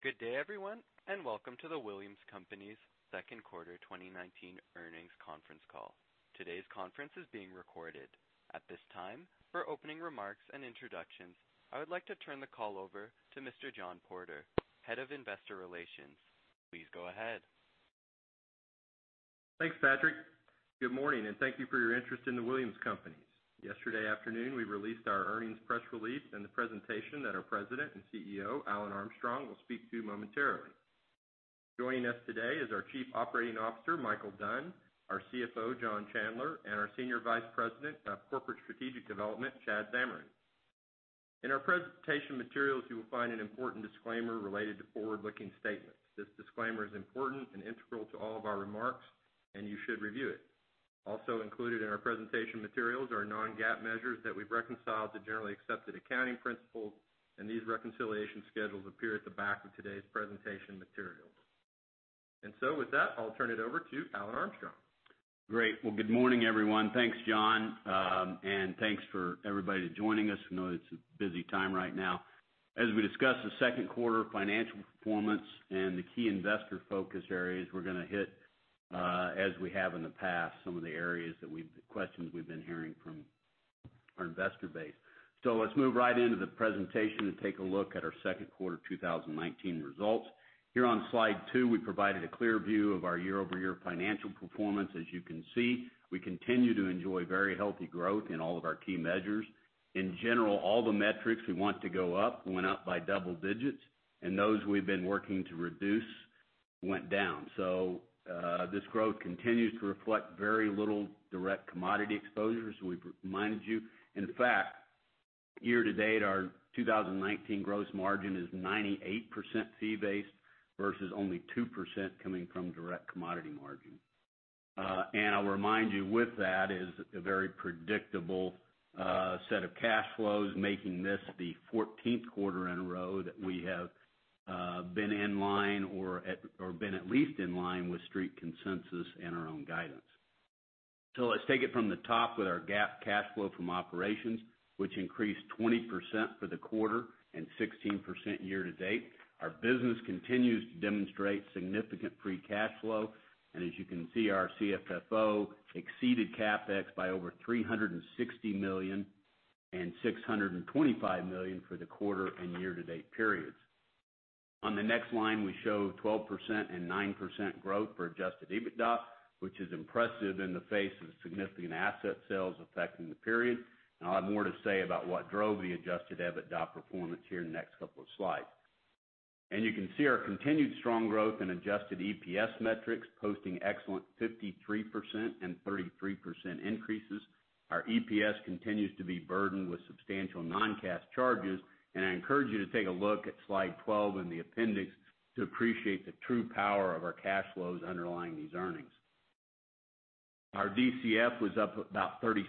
Good day, everyone, and welcome to The Williams Companies' second quarter 2019 earnings conference call. Today's conference is being recorded. At this time, for opening remarks and introductions, I would like to turn the call over to Mr. John Porter, Head of Investor Relations. Please go ahead. Thanks, Patrick. Good morning, thank you for your interest in The Williams Companies. Yesterday afternoon, we released our earnings press release and the presentation that our President and CEO, Alan Armstrong, will speak to momentarily. Joining us today is our Chief Operating Officer, Michael Dunn, our CFO, John Chandler, and our Senior Vice President of Corporate Strategic Development, Chad Zamarin. In our presentation materials, you will find an important disclaimer related to forward-looking statements. This disclaimer is important and integral to all of our remarks, you should review it. Also included in our presentation materials are non-GAAP measures that we've reconciled to generally accepted accounting principles, these reconciliation schedules appear at the back of today's presentation materials. With that, I'll turn it over to Alan Armstrong. Great. Well, good morning, everyone. Thanks, John, thanks for everybody joining us. I know it's a busy time right now. As we discuss the second quarter financial performance and the key investor focus areas, we're going to hit, as we have in the past, some of the areas that questions we've been hearing from our investor base. Let's move right into the presentation and take a look at our second quarter 2019 results. Here on slide two, we provided a clear view of our year-over-year financial performance. As you can see, we continue to enjoy very healthy growth in all of our key measures. In general, all the metrics we want to go up went up by double digits, and those we've been working to reduce went down. This growth continues to reflect very little direct commodity exposure, as we've reminded you. In fact, year to date, our 2019 gross margin is 98% fee-based versus only 2% coming from direct commodity margin. I'll remind you with that is a very predictable set of cash flows, making this the 14th quarter in a row that we have been in line or been at least in line with street consensus and our own guidance. Let's take it from the top with our GAAP cash flow from operations, which increased 20% for the quarter and 16% year to date. Our business continues to demonstrate significant free cash flow, and as you can see, our CFFO exceeded CapEx by over $360 million and $625 million for the quarter and year to date periods. On the next line, we show 12% and 9% growth for Adjusted EBITDA, which is impressive in the face of significant asset sales affecting the period. I'll have more to say about what drove the Adjusted EBITDA performance here in the next couple of slides. You can see our continued strong growth in adjusted EPS metrics, posting excellent 53% and 33% increases. Our EPS continues to be burdened with substantial non-cash charges, and I encourage you to take a look at slide 12 in the appendix to appreciate the true power of our cash flows underlying these earnings. Our DCF was up about 36%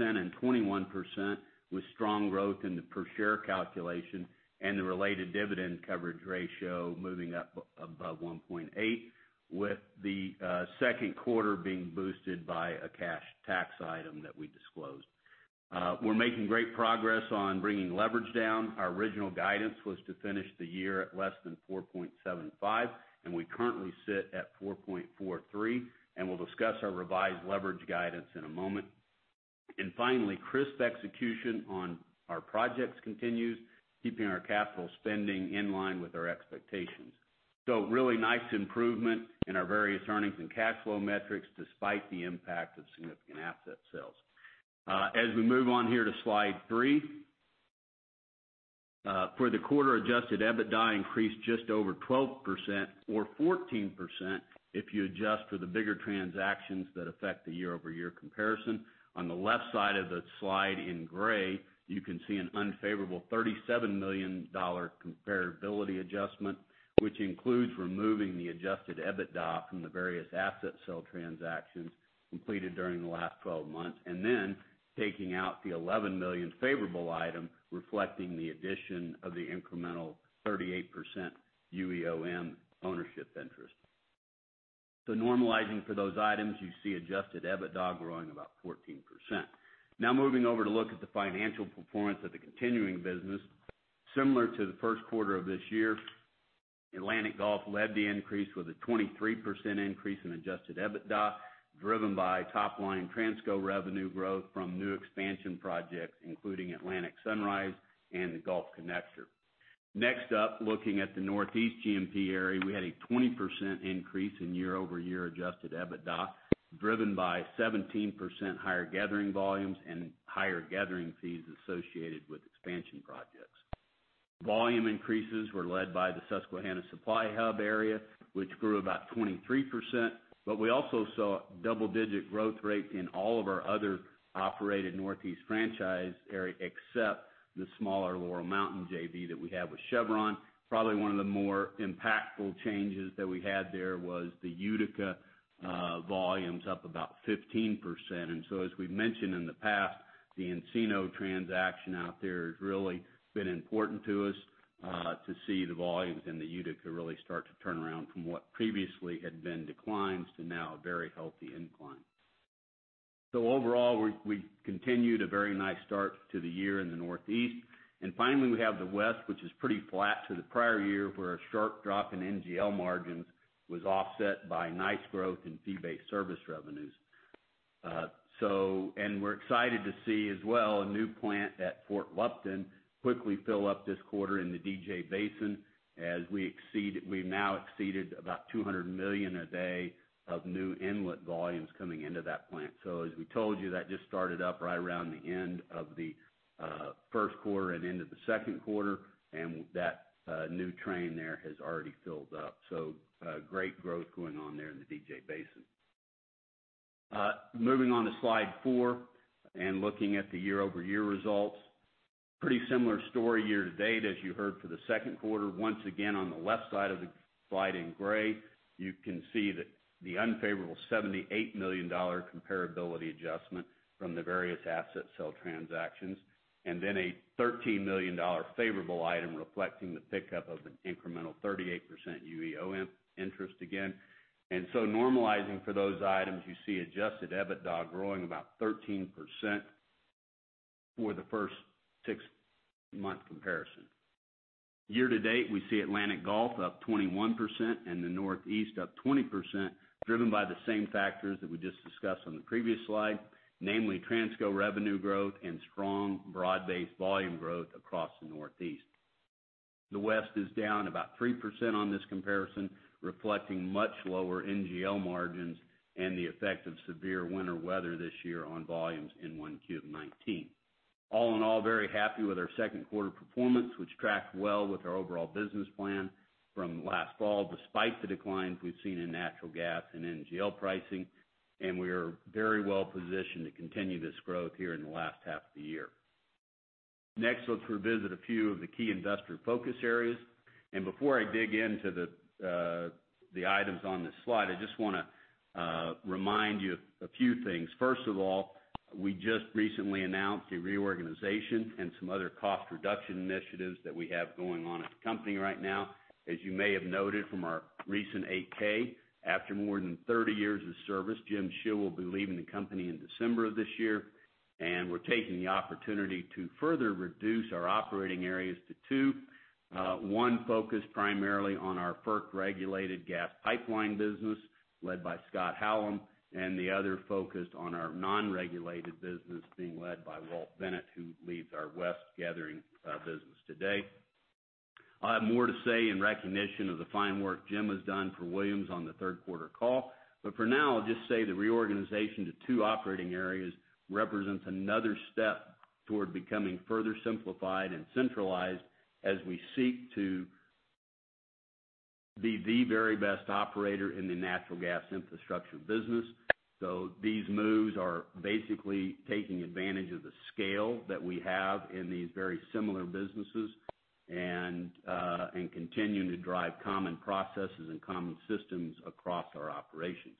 and 21% with strong growth in the per share calculation and the related dividend coverage ratio moving up above 1.8, with the second quarter being boosted by a cash tax item that we disclosed. We're making great progress on bringing leverage down. Our original guidance was to finish the year at less than 4.75, and we currently sit at 4.43, and we'll discuss our revised leverage guidance in a moment. Finally, crisp execution on our projects continues, keeping our capital spending in line with our expectations. Really nice improvement in our various earnings and cash flow metrics despite the impact of significant asset sales. As we move on here to slide three. For the quarter, Adjusted EBITDA increased just over 12%, or 14% if you adjust for the bigger transactions that affect the year-over-year comparison. On the left side of the slide in gray, you can see an unfavorable $37 million comparability adjustment, which includes removing the Adjusted EBITDA from the various asset sale transactions completed during the last 12 months, and then taking out the $11 million favorable item reflecting the addition of the incremental 38% UEOM ownership interest. Normalizing for those items, you see Adjusted EBITDA growing about 14%. Moving over to look at the financial performance of the continuing business. Similar to the first quarter of this year, Atlantic-Gulf led the increase with a 23% increase in Adjusted EBITDA, driven by top-line Transco revenue growth from new expansion projects, including Atlantic Sunrise and the Gulf Connector. Next up, looking at the Northeast G&P area, we had a 20% increase in year-over-year Adjusted EBITDA, driven by 17% higher gathering volumes and higher gathering fees associated with expansion projects. Volume increases were led by the Susquehanna supply hub area, which grew about 23%. We also saw double-digit growth rate in all of our other operated Northeast franchise area except the smaller Laurel Mountain JV that we have with Chevron. Probably one of the more impactful changes that we had there was the Utica volumes up about 15%. As we've mentioned in the past, the Encino transaction out there has really been important to us to see the volumes in the Utica really start to turn around from what previously had been declines to now a very healthy incline. Overall, we continued a very nice start to the year in the Northeast. Finally, we have the West, which is pretty flat to the prior year, where our sharp drop in NGL margins was offset by nice growth in fee-based service revenues. We're excited to see as well, a new plant at Fort Lupton quickly fill up this quarter in the DJ Basin, as we've now exceeded about 200 million a day of new inlet volumes coming into that plant. As we told you, that just started up right around the end of the first quarter and into the second quarter, and that new train there has already filled up. Great growth going on there in the DJ Basin. Moving on to slide four and looking at the year-over-year results. Pretty similar story year-to-date as you heard for the second quarter. Once again, on the left side of the slide in gray, you can see that the unfavorable $78 million comparability adjustment from the various asset sale transactions, and then a $13 million favorable item reflecting the pickup of an incremental 38% UEOM interest again. Normalizing for those items, you see Adjusted EBITDA growing about 13% for the first six-month comparison. Year-to-date, we see Atlantic-Gulf up 21% and the Northeast up 20%, driven by the same factors that we just discussed on the previous slide, namely Transco revenue growth and strong broad-based volume growth across the Northeast. The West is down about 3% on this comparison, reflecting much lower NGL margins and the effect of severe winter weather this year on volumes in 1Q of 2019. All in all, very happy with our second quarter performance, which tracked well with our overall business plan from last fall, despite the declines we've seen in natural gas and NGL pricing, and we are very well positioned to continue this growth here in the last half of the year. Next, let's revisit a few of the key investor focus areas. Before I dig into the items on this slide, I just want to remind you of a few things. First of all, we just recently announced a reorganization and some other cost reduction initiatives that we have going on as a company right now. As you may have noted from our recent 8-K, after more than 30 years of service, Jim Shea will be leaving the company in December of this year, and we're taking the opportunity to further reduce our operating areas to two. One focused primarily on our FERC-regulated gas pipeline business led by Scott Hallam, and the other focused on our non-regulated business being led by Walt Bennett, who leads our West Gathering Business today. I'll have more to say in recognition of the fine work Jim has done for Williams on the third quarter call. For now, I'll just say the reorganization to two operating areas represents another step toward becoming further simplified and centralized as we seek to be the very best operator in the natural gas infrastructure business. These moves are basically taking advantage of the scale that we have in these very similar businesses and continuing to drive common processes and common systems across our operations.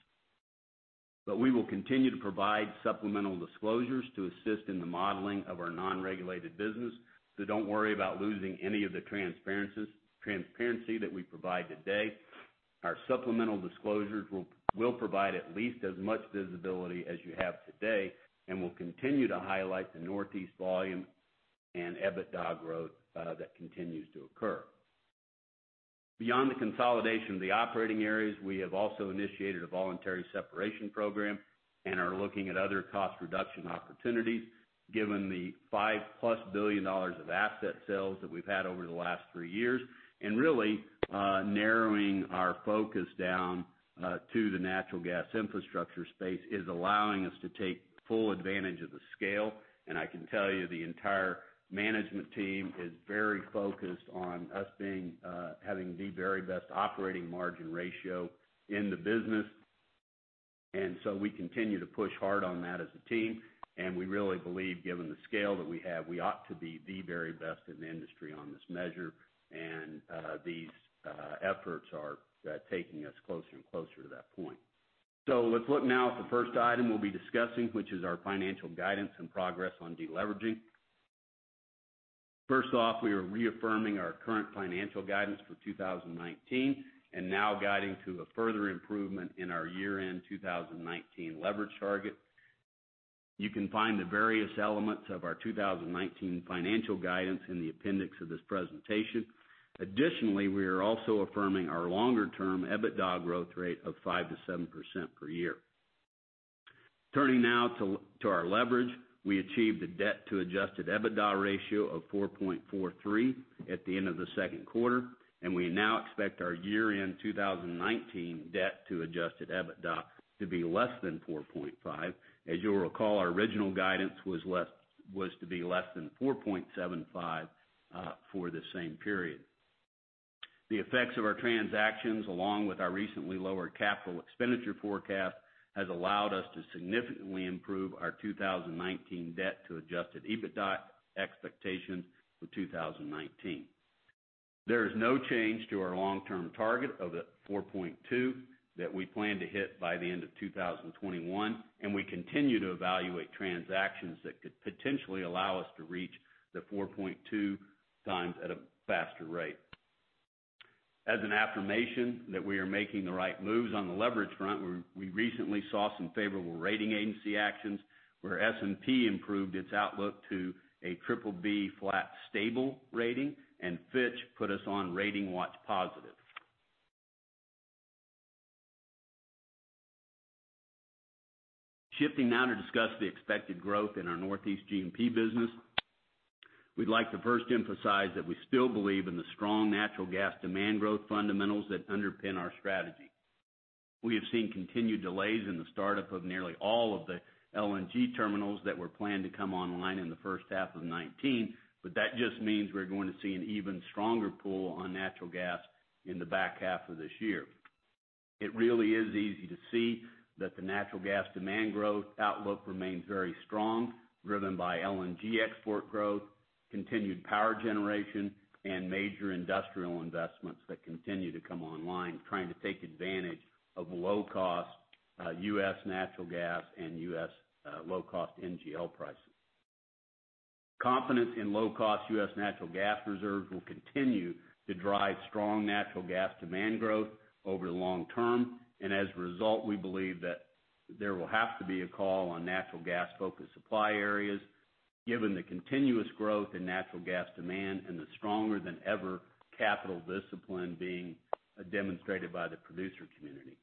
We will continue to provide supplemental disclosures to assist in the modeling of our non-regulated business, so don't worry about losing any of the transparency that we provide today. Our supplemental disclosures will provide at least as much visibility as you have today and will continue to highlight the Northeast volume and EBITDA growth that continues to occur. Beyond the consolidation of the operating areas, we have also initiated a voluntary separation program and are looking at other cost reduction opportunities, given the $5-plus billion of asset sales that we've had over the last three years. Really narrowing our focus down to the natural gas infrastructure space is allowing us to take full advantage of the scale. I can tell you the entire management team is very focused on us having the very best operating margin ratio in the business. We continue to push hard on that as a team, and we really believe given the scale that we have, we ought to be the very best in the industry on this measure. These efforts are taking us closer and closer to that point. Let's look now at the first item we'll be discussing, which is our financial guidance and progress on deleveraging. First off, we are reaffirming our current financial guidance for 2019 and now guiding to a further improvement in our year-end 2019 leverage target. You can find the various elements of our 2019 financial guidance in the appendix of this presentation. Additionally, we are also affirming our longer-term EBITDA growth rate of 5%-7% per year. Turning now to our leverage. We achieved a debt to Adjusted EBITDA ratio of 4.43 at the end of the second quarter, and we now expect our year-end 2019 debt to Adjusted EBITDA to be less than 4.5. As you'll recall, our original guidance was to be less than 4.75 for the same period. The effects of our transactions, along with our recently lowered capital expenditure forecast, has allowed us to significantly improve our 2019 debt to Adjusted EBITDA expectations for 2019. There is no change to our long-term target of 4.2 that we plan to hit by the end of 2021. We continue to evaluate transactions that could potentially allow us to reach the 4.2 times at a faster rate. As an affirmation that we are making the right moves on the leverage front, we recently saw some favorable rating agency actions where S&P improved its outlook to a triple B flat stable rating. Fitch put us on rating watch positive. Shifting now to discuss the expected growth in our Northeast G&P business. We'd like to first emphasize that we still believe in the strong natural gas demand growth fundamentals that underpin our strategy. We have seen continued delays in the start-up of nearly all of the LNG terminals that were planned to come online in the first half of 2019. That just means we're going to see an even stronger pull on natural gas in the back half of this year. It really is easy to see that the natural gas demand growth outlook remains very strong, driven by LNG export growth, continued power generation, and major industrial investments that continue to come online trying to take advantage of low-cost U.S. natural gas and U.S. low-cost NGL prices. Confidence in low-cost U.S. natural gas reserves will continue to drive strong natural gas demand growth over the long term, and as a result, we believe that there will have to be a call on natural gas-focused supply areas, given the continuous growth in natural gas demand and the stronger than ever capital discipline being demonstrated by the producer community.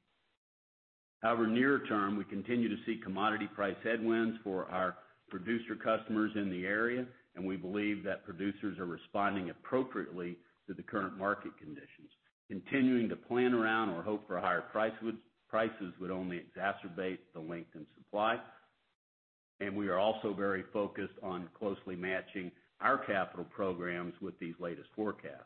However, nearer term, we continue to see commodity price headwinds for our producer customers in the area, and we believe that producers are responding appropriately to the current market conditions. Continuing to plan around or hope for higher prices would only exacerbate the lengthened supply. We are also very focused on closely matching our capital programs with these latest forecasts.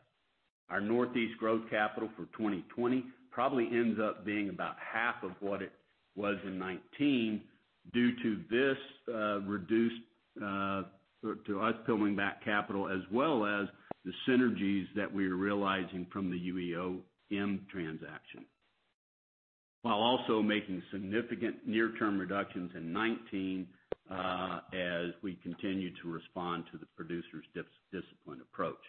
Our Northeast growth capital for 2020 probably ends up being about half of what it was in 2019 due to us pulling back capital as well as the synergies that we're realizing from the UEOM transaction. While also making significant near-term reductions in 2019, as we continue to respond to the producer's disciplined approach.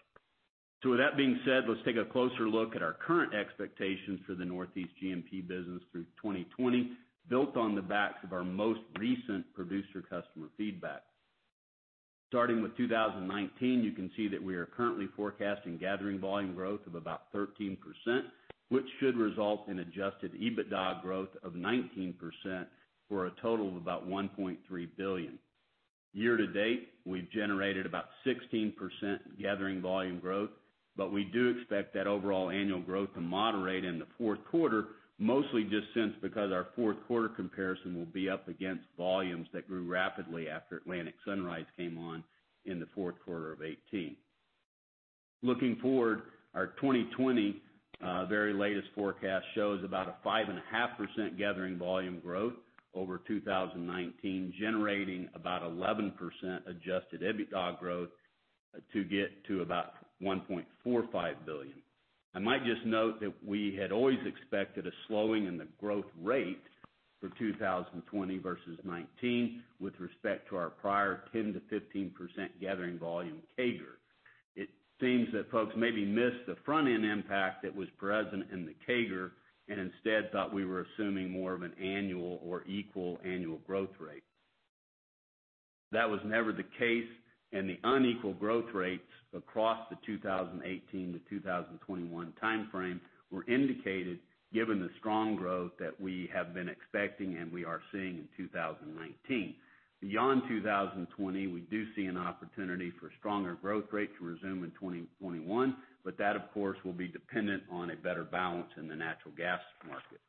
With that being said, let's take a closer look at our current expectations for the Northeast G&P business through 2020, built on the backs of our most recent producer customer feedback. Starting with 2019, you can see that we are currently forecasting gathering volume growth of about 13%, which should result in Adjusted EBITDA growth of 19%, for a total of about $1.3 billion. Year to date, we've generated about 16% gathering volume growth. We do expect that overall annual growth to moderate in the fourth quarter, mostly just since because our fourth quarter comparison will be up against volumes that grew rapidly after Atlantic Sunrise came on in the fourth quarter of 2018. Looking forward, our 2020 very latest forecast shows about a 5.5% gathering volume growth over 2019, generating about 11% Adjusted EBITDA growth to get to about $1.45 billion. I might just note that we had always expected a slowing in the growth rate for 2020 versus 2019 with respect to our prior 10%-15% gathering volume CAGR. It seems that folks maybe missed the front-end impact that was present in the CAGR and instead thought we were assuming more of an annual or equal annual growth rate. That was never the case, and the unequal growth rates across the 2018 to 2021 timeframe were indicated given the strong growth that we have been expecting and we are seeing in 2019. Beyond 2020, we do see an opportunity for stronger growth rate to resume in 2021, but that, of course, will be dependent on a better balance in the natural gas market.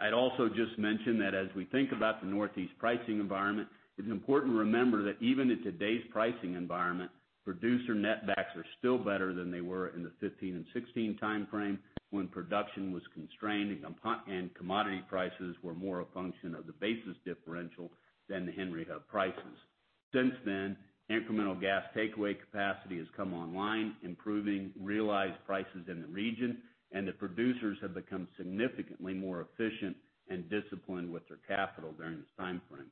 I'd also just mention that as we think about the Northeast pricing environment, it's important to remember that even in today's pricing environment, producer netbacks are still better than they were in the 2015 and 2016 timeframe when production was constrained and commodity prices were more a function of the basis differential than the Henry Hub prices. Since then, incremental gas takeaway capacity has come online, improving realized prices in the region, and the producers have become significantly more efficient and disciplined with their capital during this timeframe.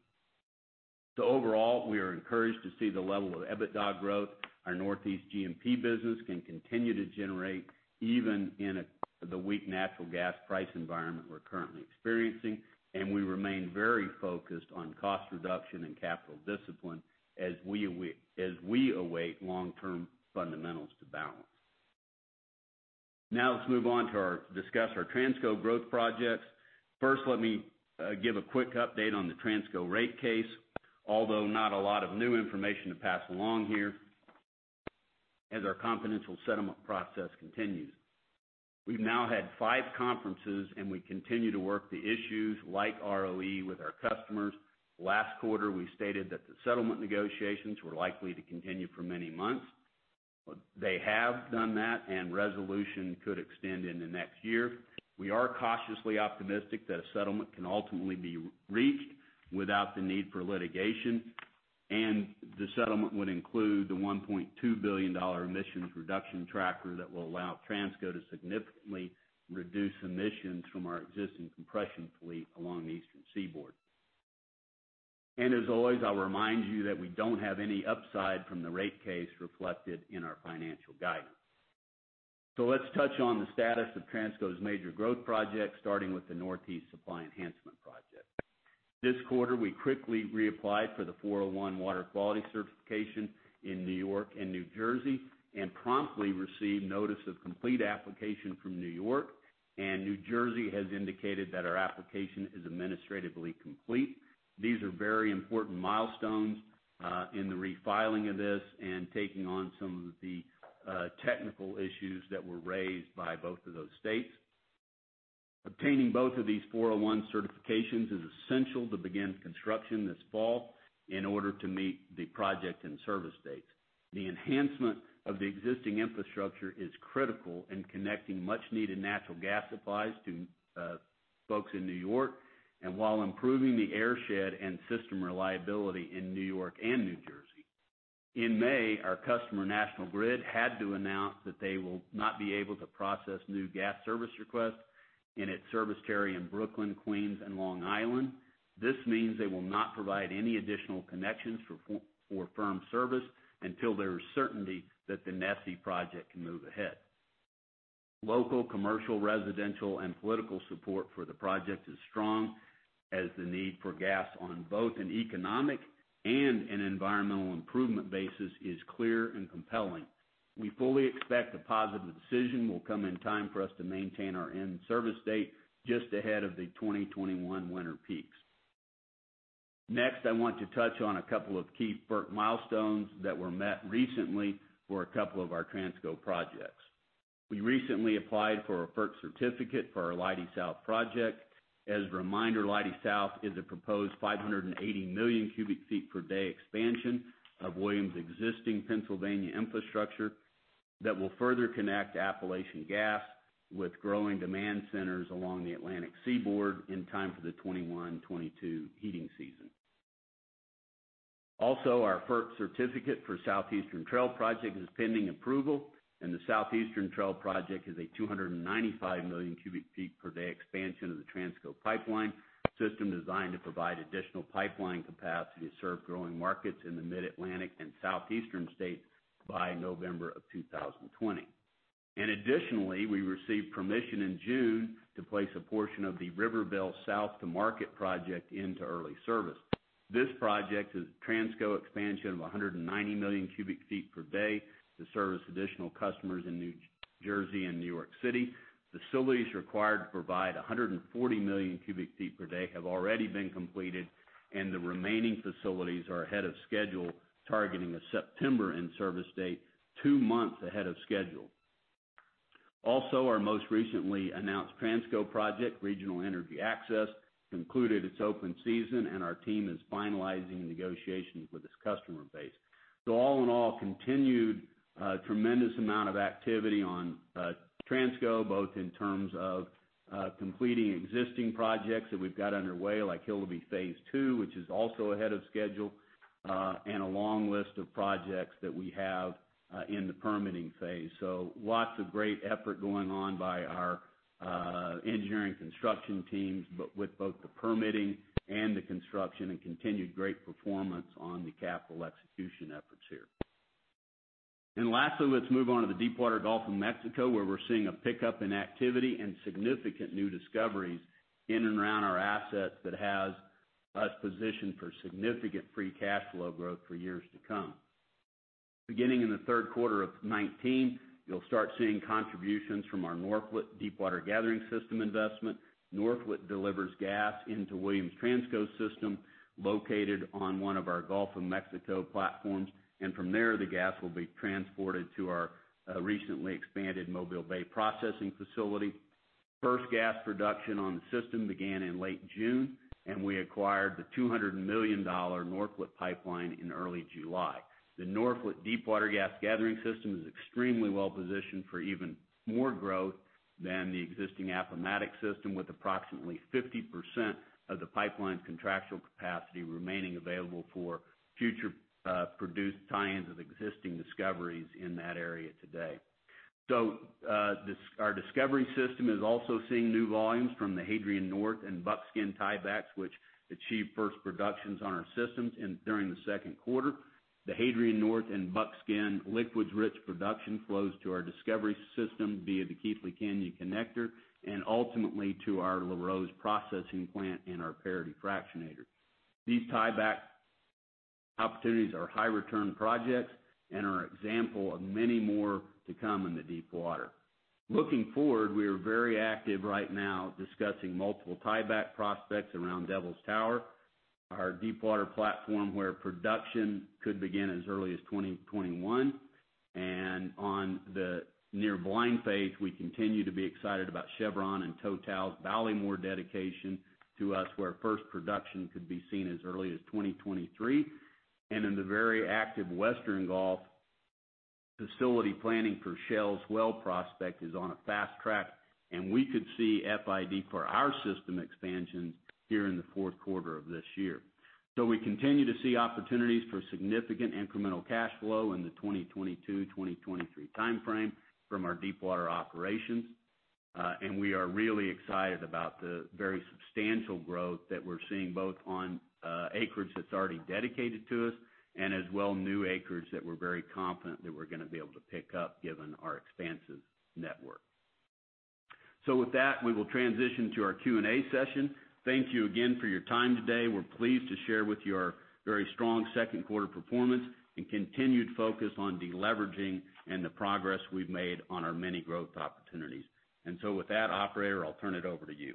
Overall, we are encouraged to see the level of EBITDA growth our Northeast G&P business can continue to generate even in the weak natural gas price environment we're currently experiencing, and we remain very focused on cost reduction and capital discipline as we await long-term fundamentals to balance. Let's move on to discuss our Transco growth projects. First, let me give a quick update on the Transco rate case, although not a lot of new information to pass along here as our confidential settlement process continues. We've now had five conferences, and we continue to work the issues like ROE with our customers. Last quarter, we stated that the settlement negotiations were likely to continue for many months. They have done that, and resolution could extend into next year. We are cautiously optimistic that a settlement can ultimately be reached without the need for litigation, and the settlement would include the $1.2 billion emissions reduction tracker that will allow Transco to significantly reduce emissions from our existing compression fleet along the eastern seaboard. As always, I'll remind that we don't have any upside from the rate case reflected in our financial guidance. Let's touch on the status of Transco's major growth projects, starting with the Northeast Supply Enhancement project. This quarter, we quickly reapplied for the 401 water quality certification in New York and New Jersey, and promptly received notice of complete application from New York. New Jersey has indicated that our application is administratively complete. These are very important milestones in the refiling of this and taking on some of the technical issues that were raised by both of those states. Obtaining both of these 401 certifications is essential to begin construction this fall in order to meet the project and service dates. The enhancement of the existing infrastructure is critical in connecting much needed natural gas supplies to folks in New York, and while improving the airshed and system reliability in New York and New Jersey. In May, our customer, National Grid, had to announce that they will not be able to process new gas service requests in its service area in Brooklyn, Queens, and Long Island. This means they will not provide any additional connections for firm service until there is certainty that the NESI project can move ahead. Local, commercial, residential, and political support for the project is strong, as the need for gas on both an economic and an environmental improvement basis is clear and compelling. We fully expect a positive decision will come in time for us to maintain our end service date just ahead of the 2021 winter peaks. Next, I want to touch on a couple of key FERC milestones that were met recently for a couple of our Transco projects. We recently applied for a FERC certificate for our Leidy South project. As a reminder, Leidy South is a proposed 580 million cubic feet per day expansion of Williams' existing Pennsylvania infrastructure that will further connect Appalachian gas with growing demand centers along the Atlantic seaboard in time for the 2021, 2022 heating season. Our FERC certificate for Southeastern Trail project is pending approval, and the Southeastern Trail project is a 295 million cubic feet per day expansion of the Transco pipeline system designed to provide additional pipeline capacity to serve growing markets in the Mid-Atlantic and Southeastern states by November of 2020. Additionally, we received permission in June to place a portion of the Rivervale South to Market project into early service. This project is Transco expansion of 190 million cubic feet per day to service additional customers in New Jersey and New York City. Facilities required to provide 140 million cubic feet per day have already been completed, and the remaining facilities are ahead of schedule, targeting a September in-service date, two months ahead of schedule. Our most recently announced Transco project, Regional Energy Access, concluded its open season and our team is finalizing negotiations with its customer base. All in all, continued tremendous amount of activity on Transco, both in terms of completing existing projects that we've got underway, like Hillabee Phase 2, which is also ahead of schedule, and a long list of projects that we have in the permitting phase. Lots of great effort going on by our engineering construction teams, but with both the permitting and the construction, and continued great performance on the capital execution efforts here. Lastly, let's move on to the Deepwater Gulf of Mexico, where we're seeing a pickup in activity and significant new discoveries in and around our assets that has us positioned for significant free cash flow growth for years to come. Beginning in the third quarter of 2019, you'll start seeing contributions from our Norphlet Deepwater Gathering System investment. Norphlet delivers gas into Williams Transco's system located on one of our Gulf of Mexico platforms, and from there, the gas will be transported to our recently expanded Mobile Bay processing facility. First gas production on the system began in late June, and we acquired the $200 million Norphlet Pipeline in early July. The Norphlet Deepwater Gas Gathering System is extremely well-positioned for even more growth than the existing Appomattox system, with approximately 50% of the pipeline's contractual capacity remaining available for future produced tie-ins of existing discoveries in that area today. Our Discovery system is also seeing new volumes from the Hadrian North and Buckskin tiebacks, which achieved first productions on our systems during the second quarter. The Hadrian North and Buckskin liquids-rich production flows to our Discovery system via the Keathley Canyon connector, and ultimately to our Larose processing plant and our Paradis fractionator. These tieback opportunities are high-return projects and are an example of many more to come in the Deepwater. Looking forward, we are very active right now discussing multiple tieback prospects around Devils Tower, our Deepwater platform where production could begin as early as 2021. On the near Blind Faith, we continue to be excited about Chevron and Total's Ballymore dedication to us, where first production could be seen as early as 2023. In the very active Western Gulf, facility planning for Shell's Whale prospect is on a fast track, and we could see FID for our system expansion here in the fourth quarter of this year. We continue to see opportunities for significant incremental cash flow in the 2022-2023 timeframe from our Deepwater operations. We are really excited about the very substantial growth that we're seeing, both on acreage that's already dedicated to us, and as well new acreage that we're very confident that we're going to be able to pick up given our expansive network. With that, we will transition to our Q&A session. Thank you again for your time today. We're pleased to share with you our very strong second quarter performance and continued focus on de-leveraging and the progress we've made on our many growth opportunities. With that, operator, I'll turn it over to you.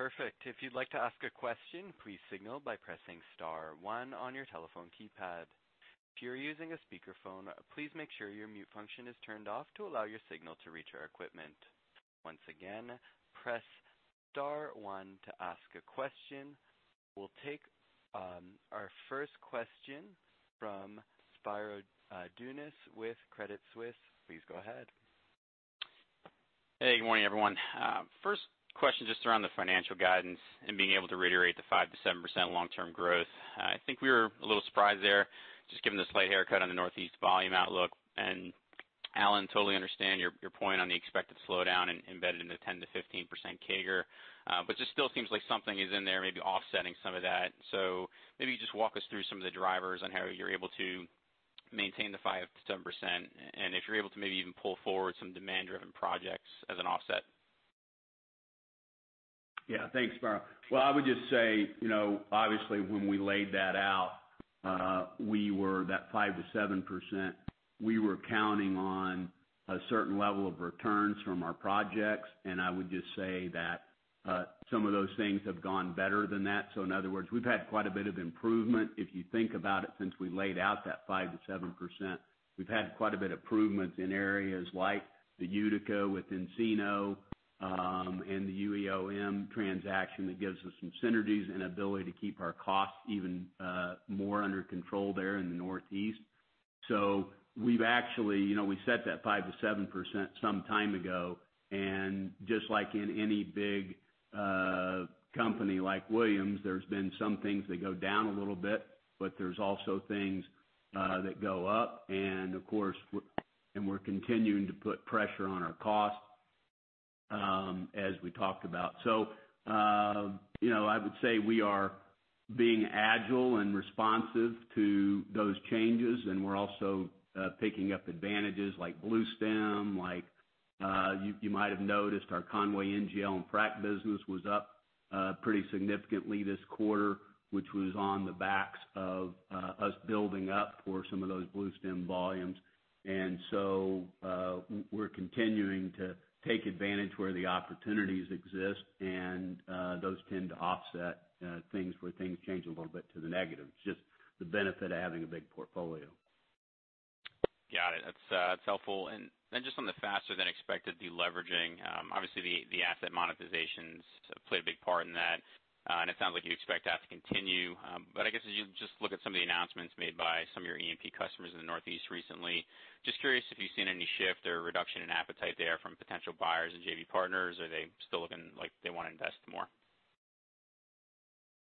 Perfect. If you'd like to ask a question, please signal by pressing star one on your telephone keypad. If you're using a speakerphone, please make sure your mute function is turned off to allow your signal to reach our equipment. Once again, press star one to ask a question. We'll take our first question from Spiro Dounis with Credit Suisse. Please go ahead. Hey, good morning, everyone. First question, just around the financial guidance and being able to reiterate the 5%-7% long-term growth. I think we were a little surprised there, just given the slight haircut on the Northeast volume outlook. Alan, totally understand your point on the expected slowdown embedded in the 10%-15% CAGR. Just still seems like something is in there, maybe offsetting some of that. Maybe just walk us through some of the drivers on how you're able to maintain the 5%-7%, and if you're able to maybe even pull forward some demand-driven projects as an offset. Thanks, Spiro. I would just say, obviously, when we laid that out, that 5%-7%, we were counting on a certain level of returns from our projects. I would just say that some of those things have gone better than that. In other words, we've had quite a bit of improvement. If you think about it, since we laid out that 5%-7%, we've had quite a bit of improvements in areas like the Utica with Encino, and the UEOM transaction that gives us some synergies and ability to keep our costs even more under control there in the Northeast. We set that 5%-7% some time ago, and just like in any big company like Williams, there's been some things that go down a little bit, but there's also things that go up. We're continuing to put pressure on our costs, as we talked about. I would say we are being agile and responsive to those changes, and we're also picking up advantages like Bluestem. You might have noticed our Conway NGL and frac business was up pretty significantly this quarter, which was on the backs of us building up for some of those Bluestem volumes. We're continuing to take advantage where the opportunities exist, and those tend to offset things where things change a little bit to the negative. Just the benefit of having a big portfolio. Got it. That's helpful. Just on the faster than expected deleveraging, obviously the asset monetizations played a big part in that. It sounds like you expect that to continue. I guess as you just look at some of the announcements made by some of your E&P customers in the Northeast recently, just curious if you've seen any shift or reduction in appetite there from potential buyers and JV partners. Are they still looking like they want to invest more?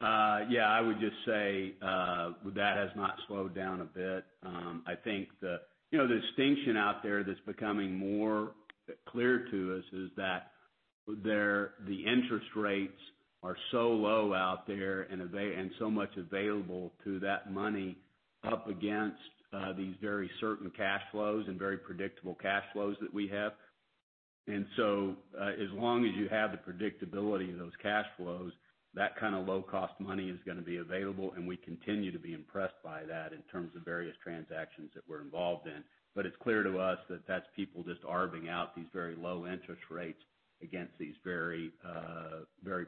Yeah, I would just say, that has not slowed down a bit. I think the distinction out there that's becoming more clear to us is that the interest rates are so low out there, and so much available to that money up against these very certain cash flows and very predictable cash flows that we have. As long as you have the predictability of those cash flows, that kind of low-cost money is going to be available, and we continue to be impressed by that in terms of various transactions that we're involved in. It's clear to us that that's people just arbing out these very low interest rates against these very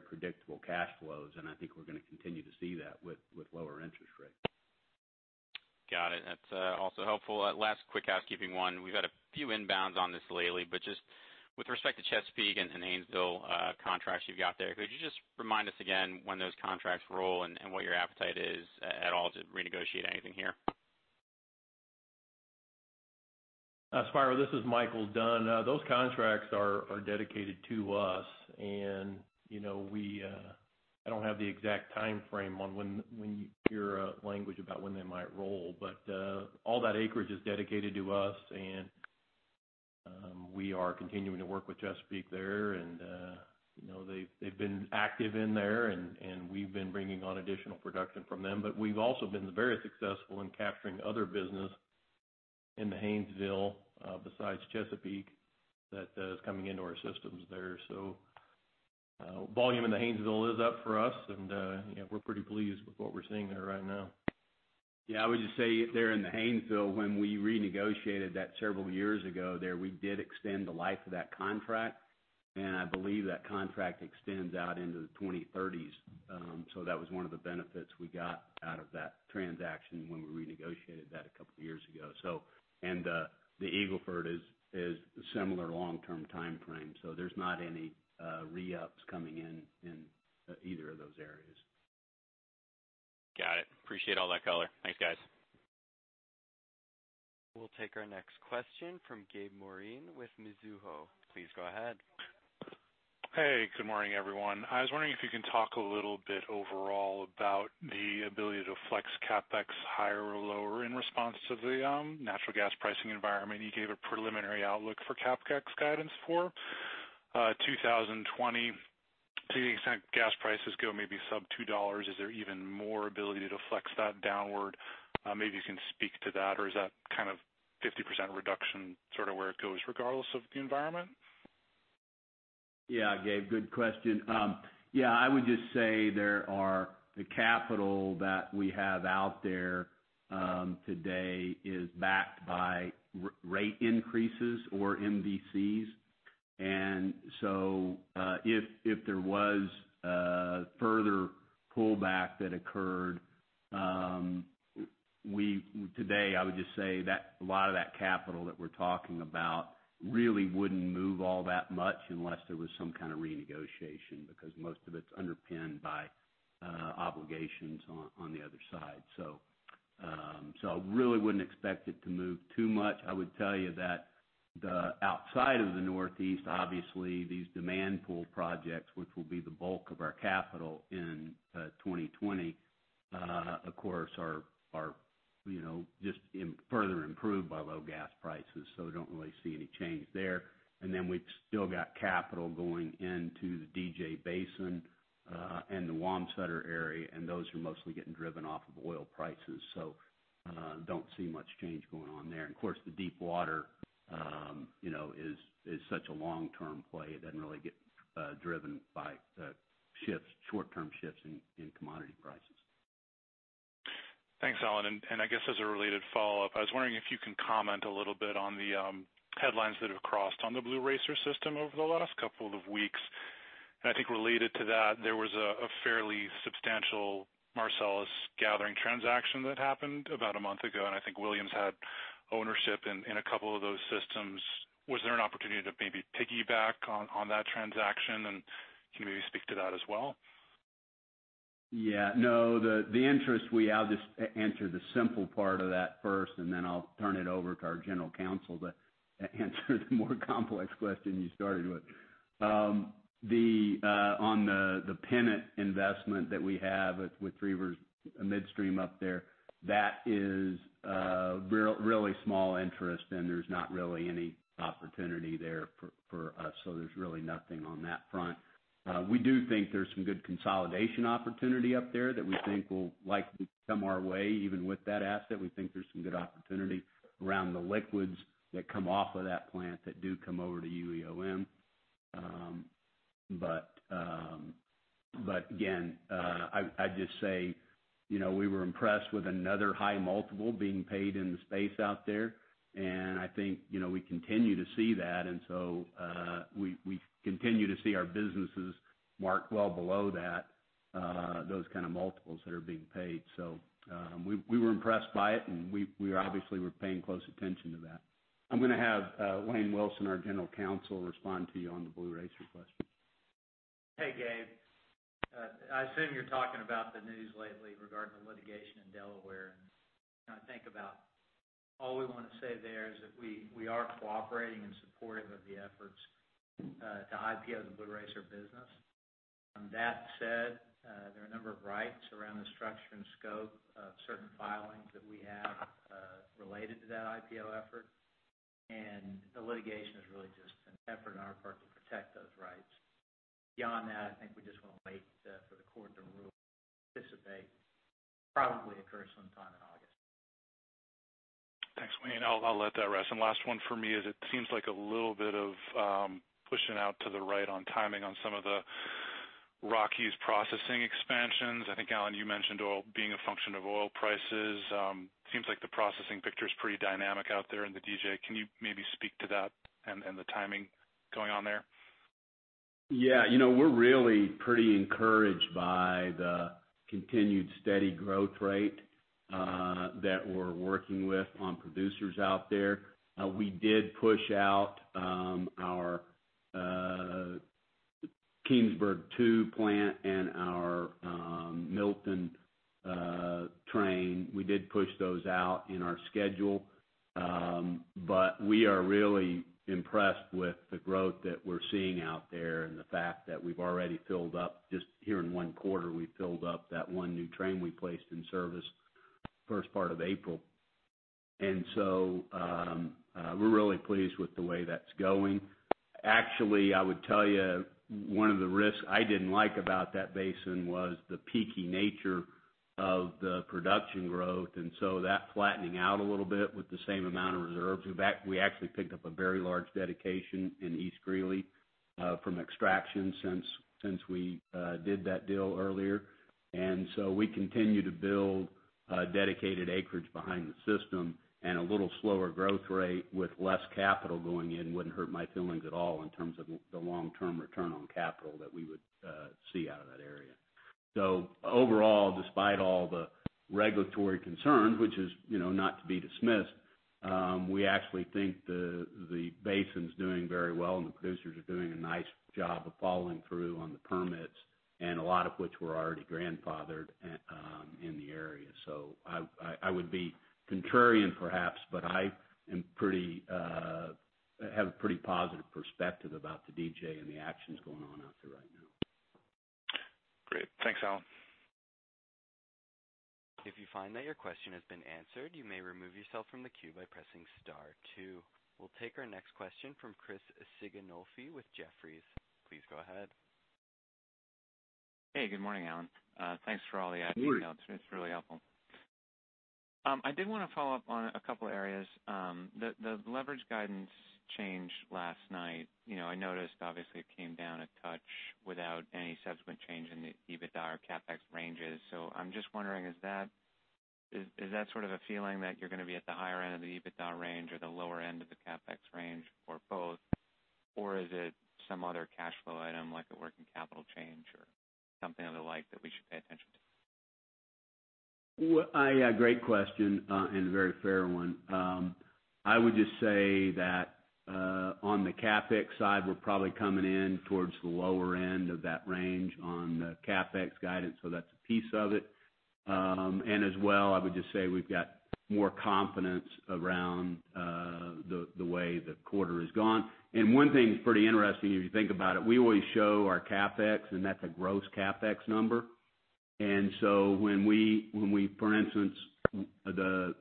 predictable cash flows, and I think we're going to continue to see that with lower interest rates. Got it. That's also helpful. Last quick housekeeping one. We've had a few inbounds on this lately, but just with respect to Chesapeake and Haynesville contracts you've got there, could you just remind us again when those contracts roll and what your appetite is at all to renegotiate anything here? Spiro, this is Micheal Dunn. Those contracts are dedicated to us, and I don't have the exact timeframe on when, your language about when they might roll, but all that acreage is dedicated to us and we are continuing to work with Chesapeake there. They've been active in there, and we've been bringing on additional production from them. We've also been very successful in capturing other business in the Haynesville, besides Chesapeake, that is coming into our systems there. Volume in the Haynesville is up for us and we're pretty pleased with what we're seeing there right now. I would just say there in the Haynesville, when we renegotiated that several years ago there, we did extend the life of that contract, and I believe that contract extends out into the 2030s. That was one of the benefits we got out of that transaction when we renegotiated that a couple of years ago. The Eagle Ford is a similar long-term timeframe, there's not any re-ups coming in either of those areas. Got it. Appreciate all that color. Thanks, guys. We'll take our next question from Gabriel Moreen with Mizuho. Please go ahead. Hey, good morning, everyone. I was wondering if you can talk a little bit overall about the ability to flex CapEx higher or lower in response to the natural gas pricing environment. You gave a preliminary outlook for CapEx guidance for 2020. To the extent gas prices go maybe sub $2, is there even more ability to flex that downward? Maybe you can speak to that, or is that kind of 50% reduction sort of where it goes regardless of the environment? Gabe, good question. I would just say the capital that we have out there today is backed by rate increases or MVCs. If there was a further pullback that occurred, today, I would just say that a lot of that capital that we're talking about really wouldn't move all that much unless there was some kind of renegotiation, because most of it's underpinned by obligations on the other side. I really wouldn't expect it to move too much. I would tell you that the outside of the Northeast, obviously, these demand pool projects, which will be the bulk of our capital in 2020, of course, are just further improved by low gas prices, so we don't really see any change there. We've still got capital going into the DJ Basin, and the Wamsutter area, and those are mostly getting driven off of oil prices. Don't see much change going on there. Of course, the deep water is such a long-term play. It doesn't really get driven by short-term shifts in commodity prices. Thanks, Alan. I guess as a related follow-up, I was wondering if you can comment a little bit on the headlines that have crossed on the Blue Racer system over the last couple of weeks. I think related to that, there was a fairly substantial Marcellus gathering transaction that happened about a month ago, and I think Williams had ownership in a couple of those systems. Was there an opportunity to maybe piggyback on that transaction, and can you maybe speak to that as well? Yeah. I'll just answer the simple part of that first, and then I'll turn it over to our General Counsel to answer the more complex question you started with. On the Pennant Midstream investment that we have with Three Rivers Midstream up there, that is a really small interest and there's not really any opportunity there for us. There's really nothing on that front. We do think there's some good consolidation opportunity up there that we think will likely come our way even with that asset. We think there's some good opportunity around the liquids that come off of that plant that do come over to UEOM. Again, I'd just say, we were impressed with another high multiple being paid in the space out there, and I think we continue to see that. We continue to see our businesses marked well below those kind of multiples that are being paid. We were impressed by it, and we obviously were paying close attention to that. I'm going to have Lane Wilson, our General Counsel, respond to you on the Blue Racer question. Hey, Gabe. I assume you're talking about the news lately regarding the litigation in Delaware, and kind of think about all we want to say there is that we are cooperating and supportive of the efforts to IPO the Blue Racer business. That said, there are a number of rights around the structure and scope of certain filings that we have related to that IPO effort, and the litigation is really just an effort on our part to protect those rights. Beyond that, I think we just want to wait for the court to rule. We anticipate it'll probably occur sometime in August. Thanks, Wayne. I'll let that rest. Last one for me is, it seems like a little bit of pushing out to the right on timing on some of the Rockies processing expansions. I think, Alan, you mentioned oil being a function of oil prices. Seems like the processing picture's pretty dynamic out there in the DJ. Can you maybe speak to that and the timing going on there? Yeah. We're really pretty encouraged by the continued steady growth rate that we're working with on producers out there. We did push out our Keenesburg two plant and our Milton train. We did push those out in our schedule. We are really impressed with the growth that we're seeing out there and the fact that we've already filled up, just here in one quarter, we filled up that one new train we placed in service first part of April. We're really pleased with the way that's going. Actually, I would tell you, one of the risks I didn't like about that basin was the peaky nature of the production growth, that flattening out a little bit with the same amount of reserves. We actually picked up a very large dedication in East Greeley from Extraction since we did that deal earlier. We continue to build dedicated acreage behind the system, and a little slower growth rate with less capital going in wouldn't hurt my feelings at all in terms of the long-term return on capital that we would see out of that area. Overall, despite all the regulatory concerns, which is not to be dismissed, we actually think the basin's doing very well, and the producers are doing a nice job of following through on the permits, and a lot of which were already grandfathered in the area. I would be contrarian perhaps, but I have a pretty positive perspective about the DJ and the actions going on out there right now. Great. Thanks, Alan. If you find that your question has been answered, you may remove yourself from the queue by pressing star two. We'll take our next question from Chris Sighinolfi with Jefferies. Please go ahead. Hey, good morning, Alan. Thanks for all the updates. Good morning. It's really helpful. I did want to follow up on a couple areas. The leverage guidance change last night. I noticed obviously it came down a touch without any subsequent change in the EBITDA or CapEx ranges. I'm just wondering, is that sort of a feeling that you're going to be at the higher end of the EBITDA range or the lower end of the CapEx range or both? Or is it some other cash flow item, like a working capital change or something of the like that we should pay attention to? Well, great question, a very fair one. I would just say that on the CapEx side, we're probably coming in towards the lower end of that range on the CapEx guidance, that's a piece of it. As well, I would just say we've got more confidence around the way the quarter has gone. One thing that's pretty interesting, if you think about it, we always show our CapEx, that's a gross CapEx number. When we, for instance, the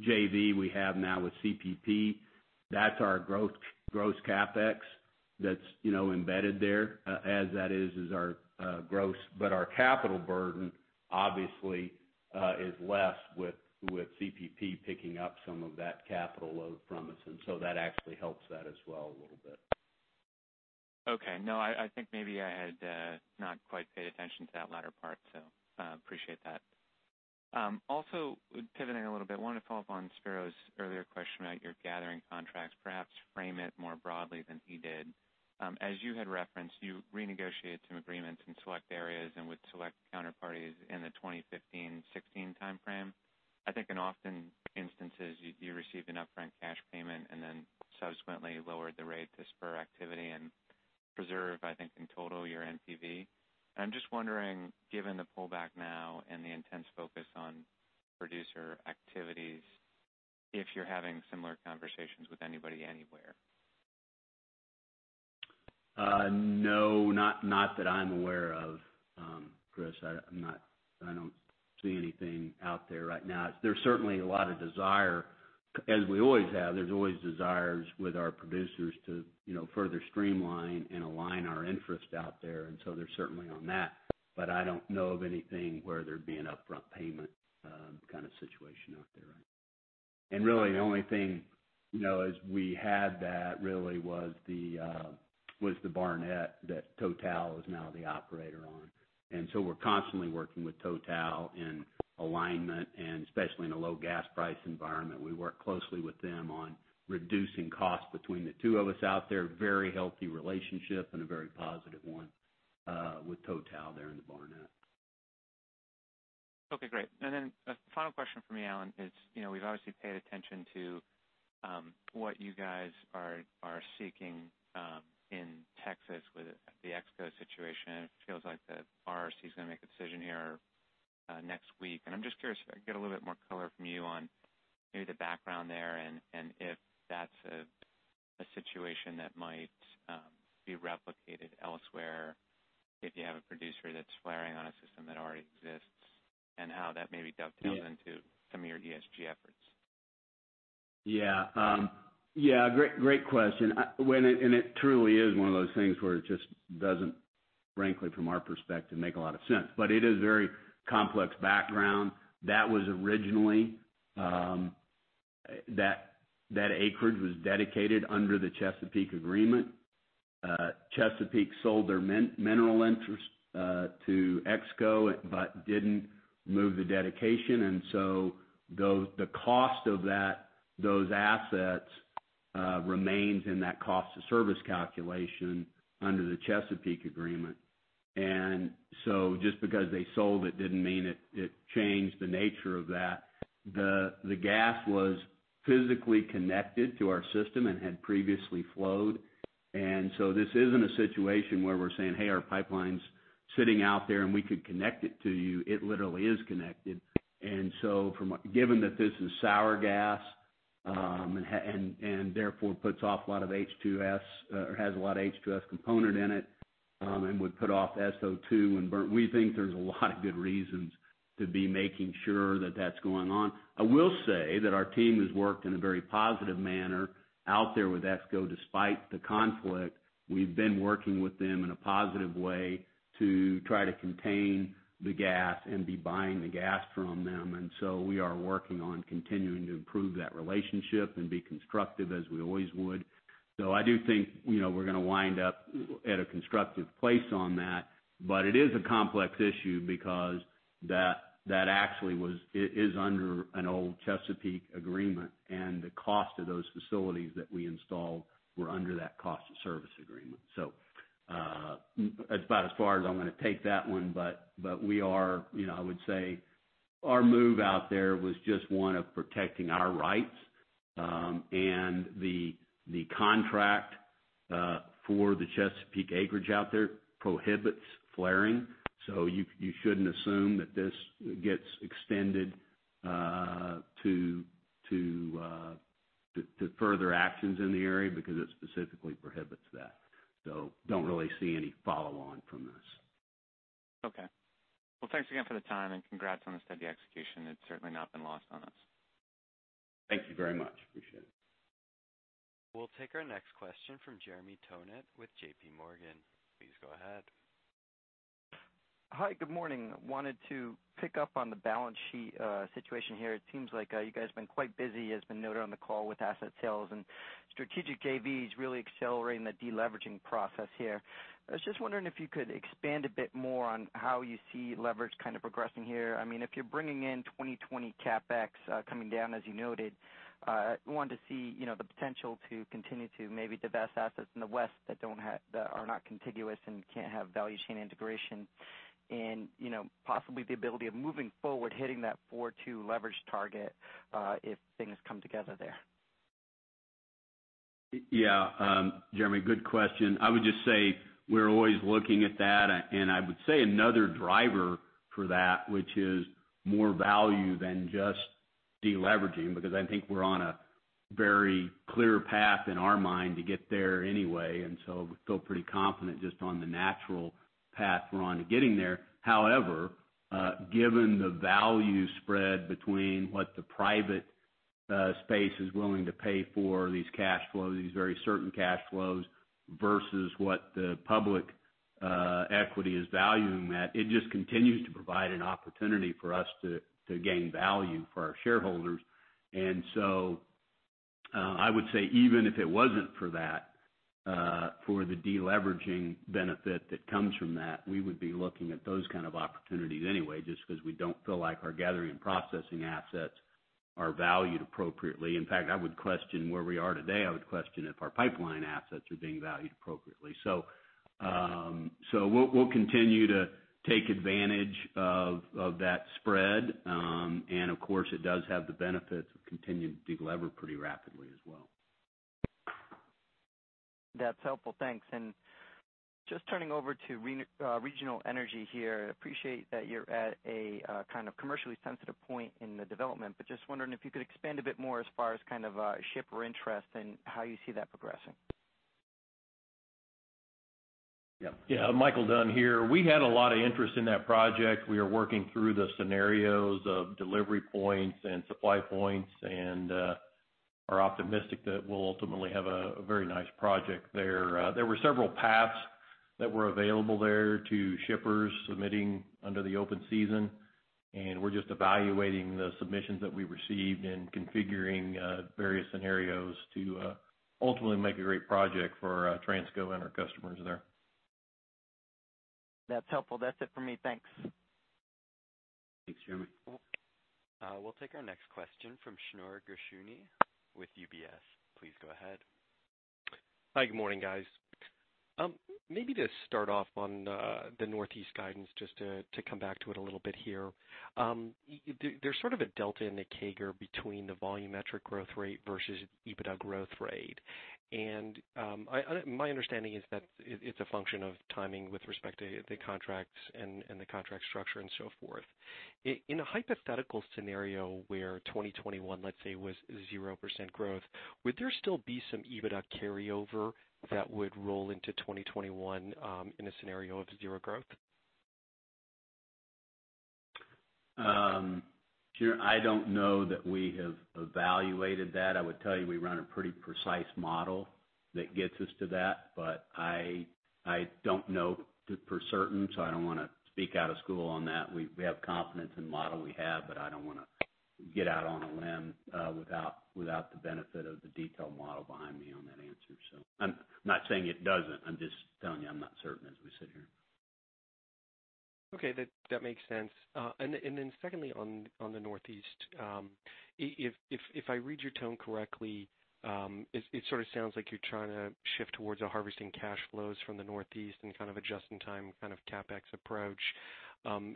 JV we have now with CPPIB, that's our gross CapEx that's embedded there, as that is our gross. Our capital burden obviously is less with CPPIB picking up some of that capital load from us, that actually helps that as well a little bit. Okay. No, I think maybe I had not quite paid attention to that latter part, appreciate that. Also pivoting a little bit, want to follow up on Spiro's earlier question about your gathering contracts, perhaps frame it more broadly than he did. As you had referenced, you renegotiated some agreements in select areas and with select counterparties in the 2015 and 2016 timeframe. I think in often instances, you received an upfront cash payment and then subsequently lowered the rate to spur activity and preserve, I think, in total, your NPV. I'm just wondering, given the pullback now and the intense focus on producer activities, if you're having similar conversations with anybody anywhere. No. Not that I'm aware of, Chris. I don't see anything out there right now. There's certainly a lot of desire, as we always have. There's always desires with our producers to further streamline and align our interests out there. They're certainly on that. I don't know of anything where there'd be an upfront payment kind of situation out there. Really, the only thing as we had that really was the Barnett that Total is now the operator on. We're constantly working with Total in alignment and especially in a low gas price environment. We work closely with them on reducing costs between the two of us out there. Very healthy relationship and a very positive one with Total there in the Barnett. Okay, great. A final question from me, Alan, is we've obviously paid attention to what you guys are seeking in Texas with the EXCO situation. It feels like the RRC's going to make a decision here next week. I'm just curious if I can get a little bit more color from you on maybe the background there and if that's a situation that might be replicated elsewhere if you have a producer that's flaring on a system that already exists, and how that maybe dovetails into some of your ESG efforts. Yeah. Great question. It truly is one of those things where it just doesn't, frankly, from our perspective, make a lot of sense. It is very complex background. That was originally, that acreage was dedicated under the Chesapeake agreement. Chesapeake sold their mineral interest to EXCO but didn't move the dedication. The cost of those assets remains in that cost of service calculation under the Chesapeake agreement. Just because they sold it didn't mean it changed the nature of that. The gas was physically connected to our system and had previously flowed. This isn't a situation where we're saying, "Hey, our pipeline's sitting out there, and we could connect it to you." It literally is connected. Given that this is sour gas, and therefore puts off a lot of H2S or has a lot of H2S component in it, and would put off SO2 when burnt. We think there's a lot of good reasons to be making sure that that's going on. I will say that our team has worked in a very positive manner out there with EXCO, despite the conflict. We've been working with them in a positive way to try to contain the gas and be buying the gas from them. We are working on continuing to improve that relationship and be constructive as we always would. I do think we're going to wind up at a constructive place on that. It is a complex issue because that actually is under an old Chesapeake agreement, and the cost of those facilities that we installed were under that cost of service agreement. That's about as far as I'm going to take that one, but I would say our move out there was just one of protecting our rights, and the contract for the Chesapeake acreage out there prohibits flaring. You shouldn't assume that this gets extended to further actions in the area, because it specifically prohibits that. Don't really see any follow-on from this. Okay. Well, thanks again for the time and congrats on the steady execution. It's certainly not been lost on us. Thank you very much. Appreciate it. We'll take our next question from Jeremy Tonet with J.P. Morgan. Please go ahead. Hi, good morning. Wanted to pick up on the balance sheet situation here. It seems like you guys have been quite busy, as been noted on the call with asset sales and strategic JVs really accelerating the de-leveraging process here. I was just wondering if you could expand a bit more on how you see leverage kind of progressing here. If you're bringing in 2020 CapEx coming down, as you noted, wanting to see the potential to continue to maybe divest assets in the West that are not contiguous and can't have value chain integration. Possibly the ability of moving forward, hitting that 4.2 leverage target, if things come together there. Jeremy, good question. I would just say we're always looking at that. I would say another driver for that, which is more value than just de-leveraging, because I think we're on a very clear path in our mind to get there anyway. We feel pretty confident just on the natural path we're on to getting there. However, given the value spread between what the private space is willing to pay for these very certain cash flows versus what the public equity is valuing that, it just continues to provide an opportunity for us to gain value for our shareholders. I would say even if it wasn't for that, for the de-leveraging benefit that comes from that, we would be looking at those kind of opportunities anyway, just because we don't feel like our gathering and processing assets are valued appropriately. In fact, I would question where we are today. I would question if our pipeline assets are being valued appropriately. We'll continue to take advantage of that spread. Of course, it does have the benefit of continuing to de-lever pretty rapidly as well. That's helpful. Thanks. Just turning over to Regional Energy here. Appreciate that you're at a kind of commercially sensitive point in the development, just wondering if you could expand a bit more as far as kind of shipper interest and how you see that progressing. Yeah. Yeah. Micheal Dunn here. We had a lot of interest in that project. We are working through the scenarios of delivery points and supply points, and are optimistic that we'll ultimately have a very nice project there. There were several paths that were available there to shippers submitting under the open season, and we're just evaluating the submissions that we received and configuring various scenarios to ultimately make a great project for Transco and our customers there. That's helpful. That's it for me. Thanks. Thanks, Jeremy. We'll take our next question from Shneur Gershuny with UBS. Please go ahead. Hi. Good morning, guys. Maybe to start off on the Northeast guidance, just to come back to it a little bit here. There's sort of a delta in the CAGR between the volumetric growth rate versus EBITDA growth rate. My understanding is that it's a function of timing with respect to the contracts and the contract structure and so forth. In a hypothetical scenario where 2021, let's say, was 0% growth, would there still be some EBITDA carryover that would roll into 2021, in a scenario of zero growth? Shneur, I don't know that we have evaluated that. I would tell you, we run a pretty precise model that gets us to that. I don't know for certain. I don't want to speak out of school on that. We have confidence in the model we have. I don't want to get out on a limb without the benefit of the detailed model behind me on that answer. I'm not saying it doesn't. I'm just telling you I'm not certain as we sit here. Okay, that makes sense. Secondly, on the Northeast, if I read your tone correctly, it sort of sounds like you're trying to shift towards a harvesting cash flows from the Northeast and kind of adjusting time kind of CapEx approach.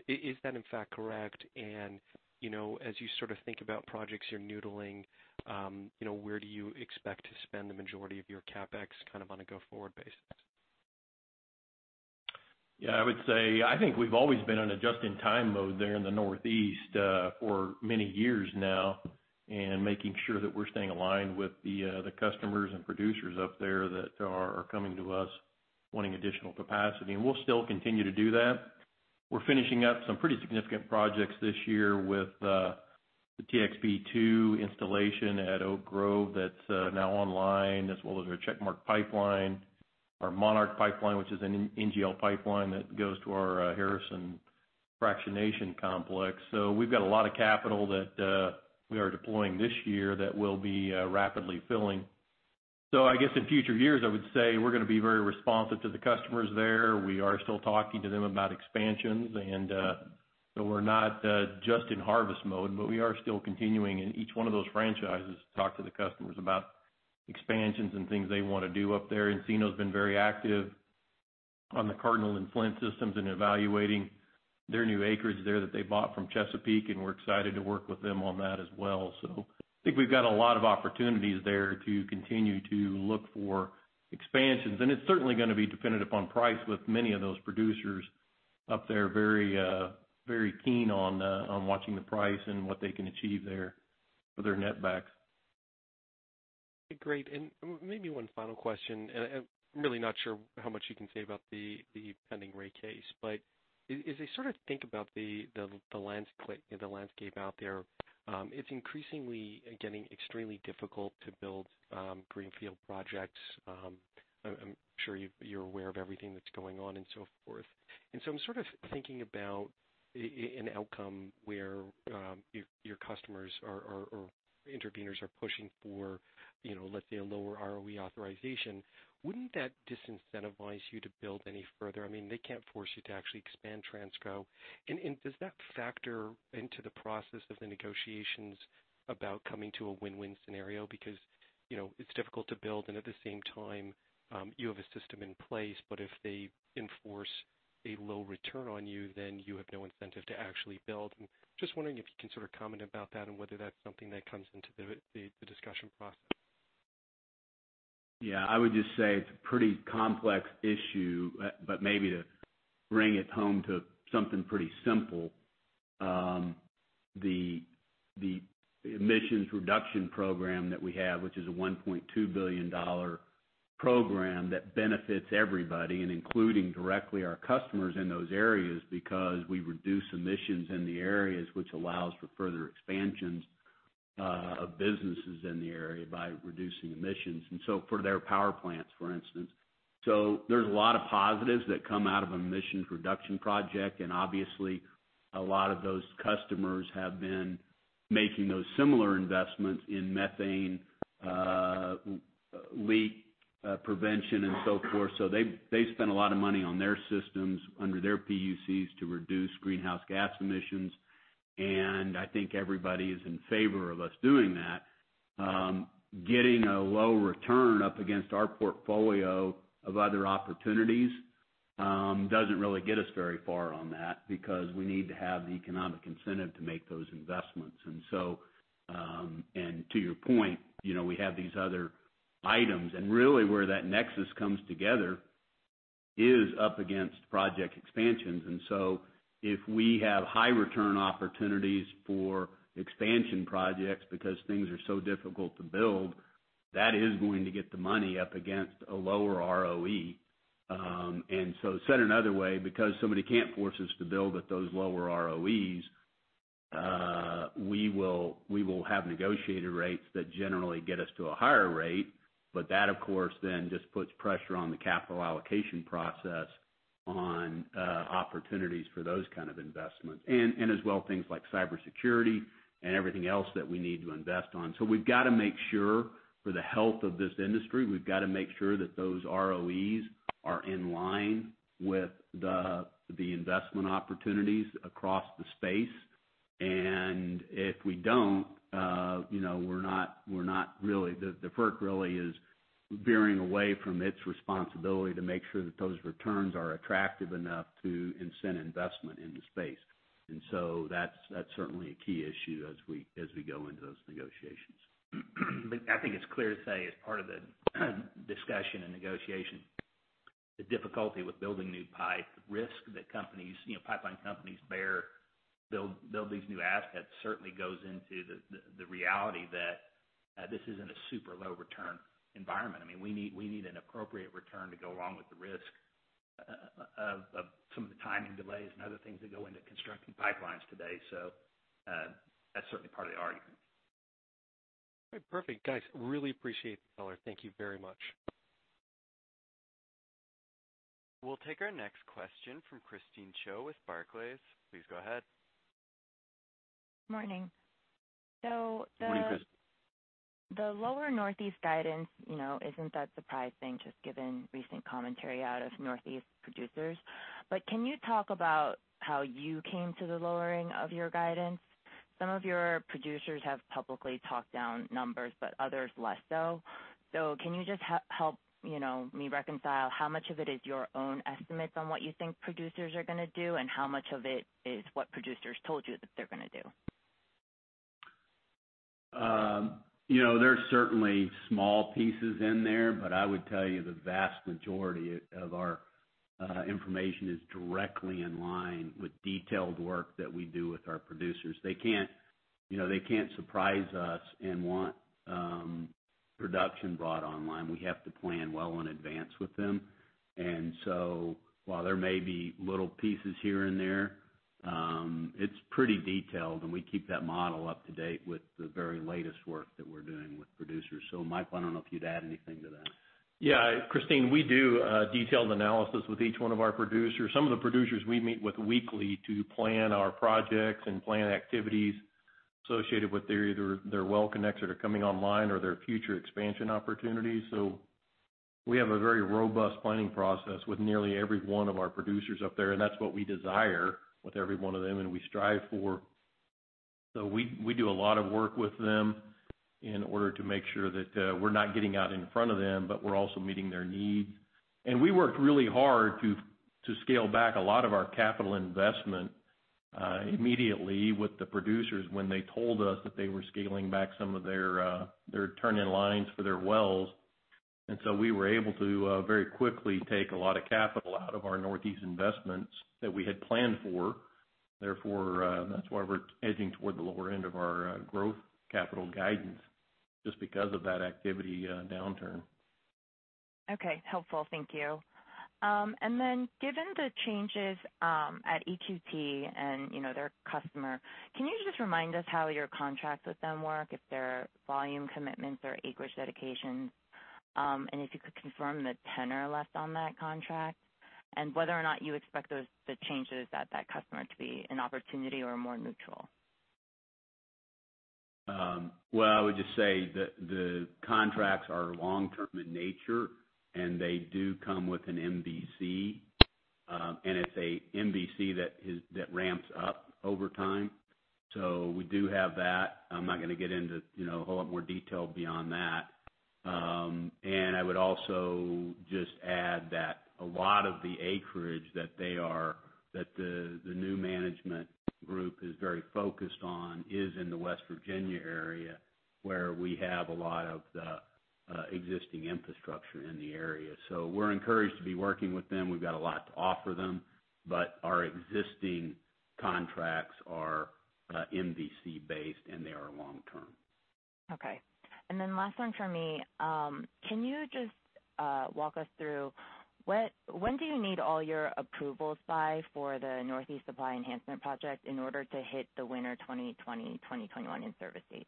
Is that in fact correct? As you think about projects you're noodling, where do you expect to spend the majority of your CapEx on a go-forward basis? I would say, I think we've always been on adjust-in-time mode there in the Northeast for many years now, and making sure that we're staying aligned with the customers and producers up there that are coming to us wanting additional capacity. We'll still continue to do that. We're finishing up some pretty significant projects this year with the TXP-2 installation at Oak Grove that's now online, as well as our Checkmark pipeline, our Monarch Pipeline, which is an NGL pipeline that goes to our Harrison fractionation complex. We've got a lot of capital that we are deploying this year that we'll be rapidly filling. I guess in future years, I would say we're going to be very responsive to the customers there. We are still talking to them about expansions. We're not just in harvest mode, but we are still continuing in each one of those franchises to talk to the customers about expansions and things they want to do up there. Encino's been very active on the Cardinal and Flint systems and evaluating their new acreage there that they bought from Chesapeake, and we're excited to work with them on that as well. I think we've got a lot of opportunities there to continue to look for expansions. It's certainly going to be dependent upon price with many of those producers. Up there very keen on watching the price and what they can achieve there for their net backs. Great. Maybe one final question, I'm really not sure how much you can say about the pending rate case, but as I sort of think about the landscape out there, it's increasingly getting extremely difficult to build greenfield projects. I'm sure you're aware of everything that's going on and so forth. I'm sort of thinking about an outcome where your customers or interveners are pushing for, let's say, a lower ROE authorization. Wouldn't that disincentivize you to build any further? They can't force you to actually expand Transco. Does that factor into the process of the negotiations about coming to a win-win scenario? It's difficult to build and at the same time, you have a system in place. If they enforce a low return on you, then you have no incentive to actually build. Just wondering if you can sort of comment about that and whether that's something that comes into the discussion process. I would just say it's a pretty complex issue. Maybe to bring it home to something pretty simple, the emissions reduction program that we have, which is a $1.2 billion program that benefits everybody and including directly our customers in those areas because we reduce emissions in the areas which allows for further expansions of businesses in the area by reducing emissions, and so for their power plants, for instance. There's a lot of positives that come out of emissions reduction project, and obviously a lot of those customers have been making those similar investments in methane leak prevention and so forth. They've spent a lot of money on their systems under their PUCs to reduce greenhouse gas emissions, and I think everybody is in favor of us doing that. Getting a low return up against our portfolio of other opportunities doesn't really get us very far on that because we need to have the economic incentive to make those investments. To your point, we have these other items and really where that nexus comes together is up against project expansions. If we have high return opportunities for expansion projects because things are so difficult to build, that is going to get the money up against a lower ROE. Said another way, because somebody can't force us to build at those lower ROEs, we will have negotiated rates that generally get us to a higher rate. That of course then just puts pressure on the capital allocation process on opportunities for those kind of investments and as well, things like cybersecurity and everything else that we need to invest on. For the health of this industry, we've got to make sure that those ROEs are in line with the investment opportunities across the space. If we don't, the FERC really is veering away from its responsibility to make sure that those returns are attractive enough to incent investment in the space. That's certainly a key issue as we go into those negotiations. I think it's clear to say as part of the discussion and negotiation, the difficulty with building new pipe risk that pipeline companies bear, build these new assets certainly goes into the reality that this isn't a super low return environment. We need an appropriate return to go along with the risk of some of the timing delays and other things that go into constructing pipelines today. That's certainly part of the argument. All right. Perfect. Guys, really appreciate it. Thank you very much. We'll take our next question from Christine Cho with Barclays. Please go ahead. Morning. Morning, Christine. The lower Northeast guidance isn't that surprising, just given recent commentary out of Northeast producers. Can you talk about how you came to the lowering of your guidance? Some of your producers have publicly talked down numbers, but others less so. Can you just help me reconcile how much of it is your own estimates on what you think producers are going to do, and how much of it is what producers told you that they're going to do? There are certainly small pieces in there, but I would tell you the vast majority of our information is directly in line with detailed work that we do with our producers. They can't surprise us and want production brought online. We have to plan well in advance with them. While there may be little pieces here and there, it's pretty detailed, and we keep that model up to date with the very latest work that we're doing with producers. Mike, I don't know if you'd add anything to that? Yeah, Christine, we do detailed analysis with each one of our producers. Some of the producers we meet with weekly to plan our projects and plan activities associated with their either well connects that are coming online or their future expansion opportunities. We have a very robust planning process with nearly every one of our producers up there, and that's what we desire with every one of them and we strive for. We do a lot of work with them in order to make sure that we're not getting out in front of them, but we're also meeting their needs. We worked really hard to scale back a lot of our capital investment immediately with the producers when they told us that they were scaling back some of their turn-in lines for their wells. We were able to very quickly take a lot of capital out of our Northeast investments that we had planned for. Therefore, that's why we're edging toward the lower end of our growth capital guidance, just because of that activity downturn. Okay. Helpful. Thank you. Given the changes at EQT and their customer, can you just remind us how your contracts with them work, if there are volume commitments or acreage dedications? If you could confirm the tenor left on that contract and whether or not you expect the changes at that customer to be an opportunity or more neutral? Well, I would just say the contracts are long-term in nature, and they do come with an MVC, and it's a MVC that ramps up over time. We do have that. I'm not going to get into a whole lot more detail beyond that. I would also just add that a lot of the acreage that the new management group is very focused on is in the West Virginia area, where we have a lot of the existing infrastructure in the area. We're encouraged to be working with them. We've got a lot to offer them, but our existing contracts are MVC-based, and they are long-term. Okay. Last one from me. Can you just walk us through when do you need all your approvals by for the Northeast Supply Enhancement project in order to hit the winter 2020-2021 in-service date?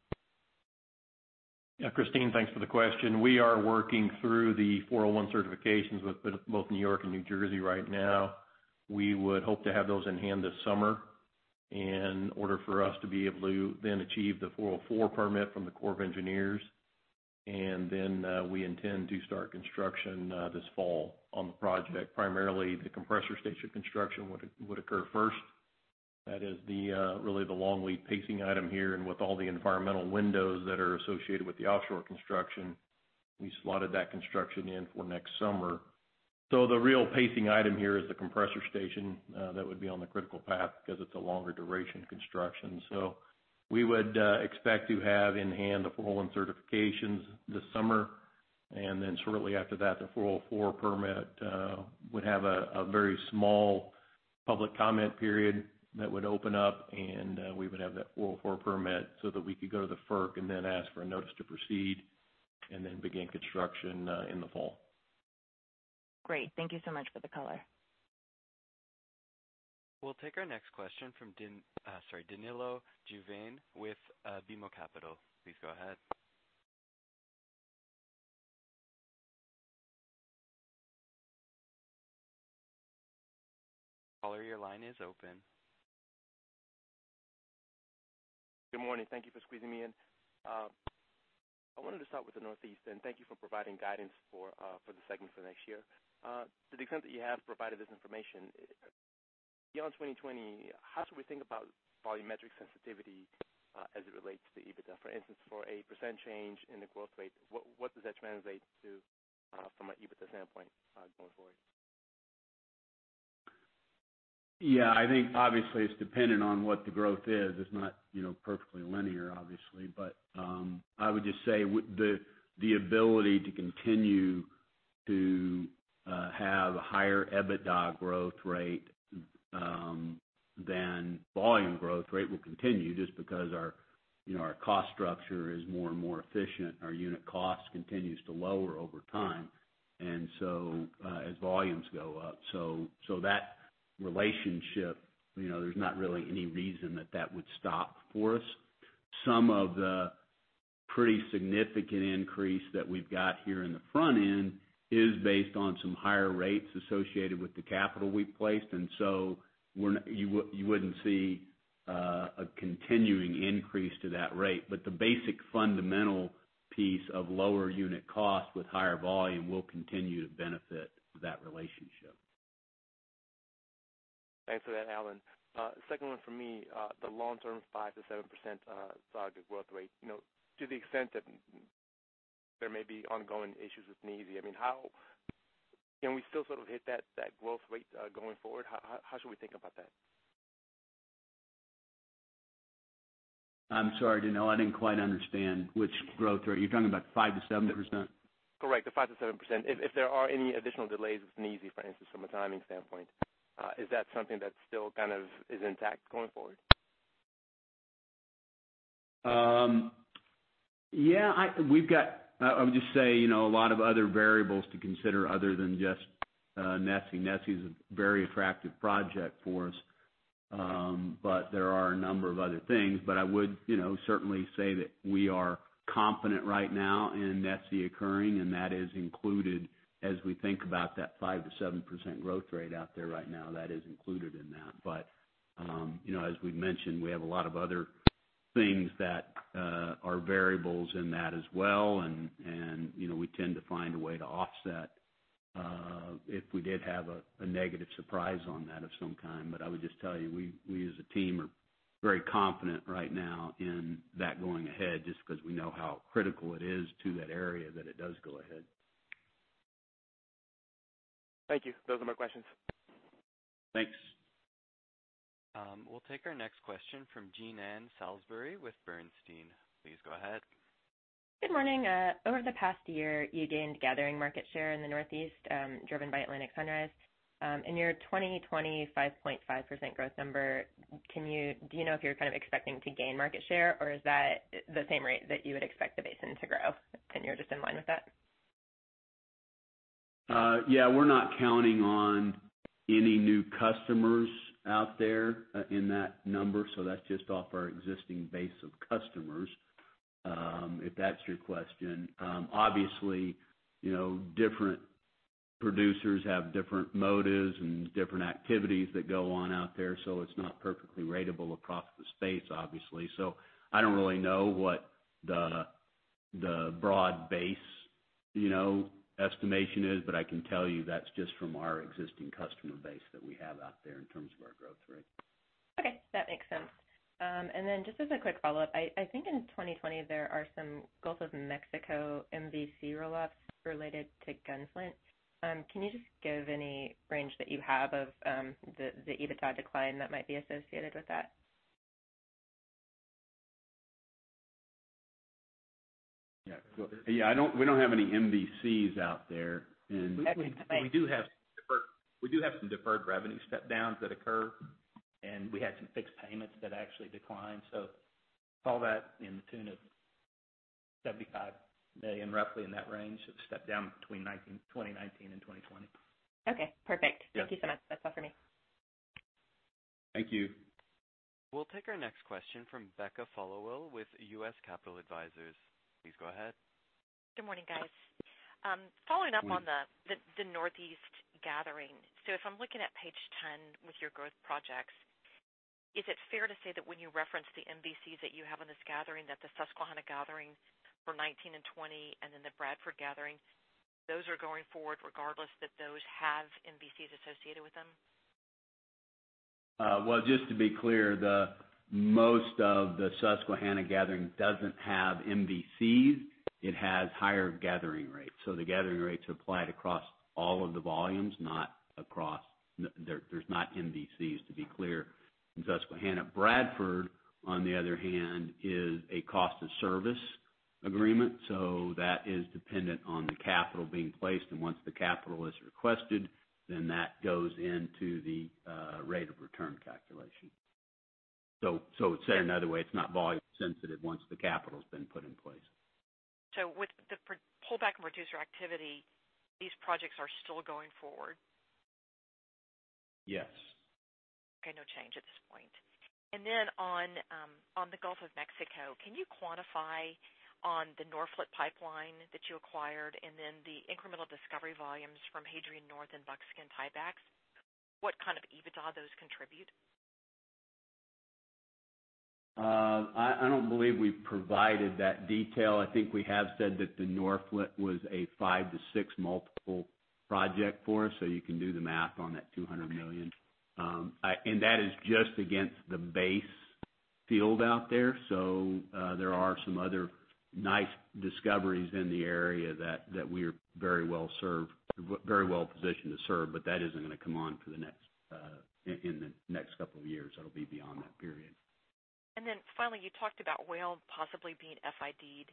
Yeah, Christine, thanks for the question. We are working through the 401 certifications with both New York and New Jersey right now. We would hope to have those in hand this summer in order for us to be able to achieve the 404 permit from the Corps of Engineers. We intend to start construction this fall on the project. Primarily, the compressor station construction would occur first. That is really the long lead pacing item here, and with all the environmental windows that are associated with the offshore construction, we slotted that construction in for next summer. The real pacing item here is the compressor station that would be on the critical path because it's a longer duration construction. We would expect to have in hand the 401 certifications this summer, and then shortly after that, the 404 permit would have a very small public comment period that would open up, and we would have that 404 permit so that we could go to the FERC and then ask for a notice to proceed, and then begin construction in the fall. Great. Thank you so much for the color. We'll take our next question from Danilo Juvane with BMO Capital. Please go ahead. Caller, your line is open. Good morning. Thank you for squeezing me in. I wanted to start with the Northeast, thank you for providing guidance for the segment for next year. To the extent that you have provided this information, beyond 2020, how should we think about volumetric sensitivity as it relates to the EBITDA? For instance, for a % change in the growth rate, what does that translate to from an EBITDA standpoint going forward? Yeah, I think obviously it's dependent on what the growth is. It's not perfectly linear, obviously. I would just say with the ability to continue to have a higher EBITDA growth rate than volume growth rate will continue just because our cost structure is more and more efficient. Our unit cost continues to lower over time as volumes go up. That relationship, there's not really any reason that that would stop for us. Some of the pretty significant increase that we've got here in the front end is based on some higher rates associated with the capital we've placed, you wouldn't see a continuing increase to that rate. The basic fundamental piece of lower unit cost with higher volume will continue to benefit that relationship. Thanks for that, Alan. Second one for me, the long-term 5%-7% target growth rate. To the extent that there may be ongoing issues with NESE, can we still sort of hit that growth rate going forward? How should we think about that? I'm sorry, Danilo, I didn't quite understand which growth rate. You're talking about 5%-7%? Correct. The 5%-7%. If there are any additional delays with NESE, for instance, from a timing standpoint, is that something that still kind of is intact going forward? I would just say a lot of other variables to consider other than just NESI. NESI is a very attractive project for us, there are a number of other things. I would certainly say that we are confident right now in NESI occurring, and that is included as we think about that 5%-7% growth rate out there right now. That is included in that. As we've mentioned, we have a lot of other things that are variables in that as well, and we tend to find a way to offset if we did have a negative surprise on that of some kind. I would just tell you, we as a team are very confident right now in that going ahead, just because we know how critical it is to that area that it does go ahead. Thank you. Those are my questions. Thanks. We'll take our next question from Jean Ann Salisbury with Bernstein. Please go ahead. Good morning. Over the past year, you gained gathering market share in the Northeast, driven by Atlantic Sunrise. In your 2020 5.5% growth number, do you know if you're kind of expecting to gain market share, or is that the same rate that you would expect the basin to grow, and you're just in line with that? Yeah, we're not counting on any new customers out there in that number. That's just off our existing base of customers, if that's your question. Obviously, different producers have different motives and different activities that go on out there, it's not perfectly ratable across the space, obviously. I don't really know what the broad base estimation is. I can tell you that's just from our existing customer base that we have out there in terms of our growth rate. Okay. That makes sense. Just as a quick follow-up, I think in 2020, there are some Gulf of Mexico MVC roll-offs related to Gunflint. Can you just give any range that you have of the EBITDA decline that might be associated with that? Yeah. We don't have any MVCs out there. Okay, thanks. We do have some deferred revenue step-downs that occur, and we had some fixed payments that actually declined. It's all that in the tune of $75 million, roughly in that range of step-down between 2019 and 2020. Okay, perfect. Yeah. Thank you so much. That's all for me. Thank you. We'll take our next question from Becca Followill with U.S. Capital Advisors. Please go ahead. Good morning, guys. Following up on the Northeast Gathering. If I'm looking at page 10 with your growth projects, is it fair to say that when you reference the MVCs that you have on this gathering, that the Susquehanna Gathering for 2019 and 2020, and then the Bradford Gathering, those are going forward regardless that those have MVCs associated with them? Well, just to be clear, most of the Susquehanna gathering doesn't have MVCs. It has higher gathering rates. The gathering rates applied across all of the volumes, there's not MVCs to be clear in Susquehanna. Bradford, on the other hand, is a cost-of-service agreement, so that is dependent on the capital being placed, and once the capital is requested, then that goes into the rate of return calculation. To say it another way, it's not volume sensitive once the capital's been put in place. With the pullback in producer activity, these projects are still going forward? Yes. Okay, no change at this point. On the Gulf of Mexico, can you quantify on the Norphlet pipeline that you acquired and then the incremental discovery volumes from Hadrian North and Buckskin tiebacks, what kind of EBITDA those contribute? I don't believe we've provided that detail. I think we have said that the Norphlet was a 5 to 6 multiple project for us, so you can do the math on that $200 million. That is just against the base field out there. There are some other nice discoveries in the area that we are very well-positioned to serve. That isn't going to come on in the next couple of years. That'll be beyond that period. Finally, you talked about Whale possibly being FID'd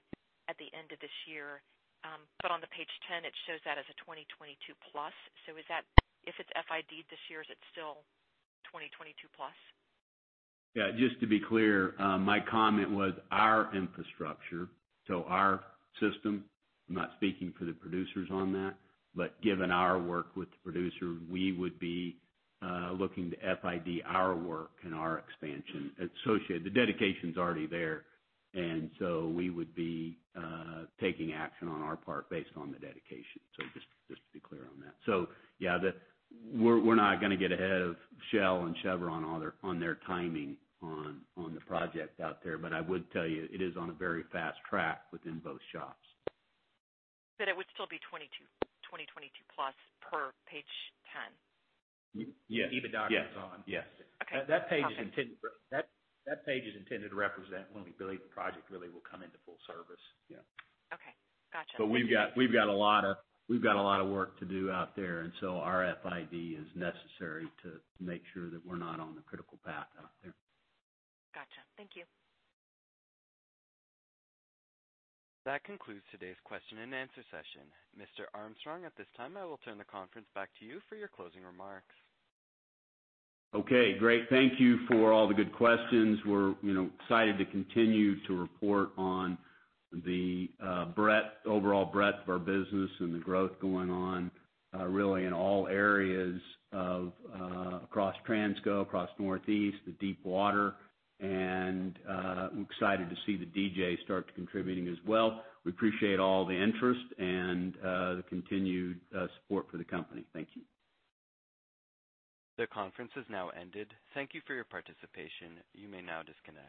at the end of this year. On the page 10, it shows that as a 2022 plus. If it's FID'd this year, is it still 2022 plus? Yeah, just to be clear, my comment was our infrastructure, so our system, I'm not speaking for the producers on that, but given our work with the producer, we would be looking to FID our work and our expansion associated. The dedication's already there. We would be taking action on our part based on the dedication. Just to be clear on that. Yeah, we're not going to get ahead of Shell and Chevron on their timing on the project out there. I would tell you, it is on a very fast track within both shops. It would still be 2022 plus as per page 10? Yes. EBITDA goes on. Yes. Okay. That page is intended to represent when we believe the project really will come into full service. Yeah. Okay. Gotcha. We've got a lot of work to do out there, and so our FID is necessary to make sure that we're not on the critical path out there. Gotcha. Thank you. That concludes today's question and answer session. Mr. Armstrong, at this time, I will turn the conference back to you for your closing remarks. Okay, great. Thank you for all the good questions. We're excited to continue to report on the overall breadth of our business and the growth going on really in all areas across Transco, across Northeast, the deep water, and I'm excited to see the DJ start contributing as well. We appreciate all the interest and the continued support for the company. Thank you. The conference has now ended. Thank you for your participation. You may now disconnect.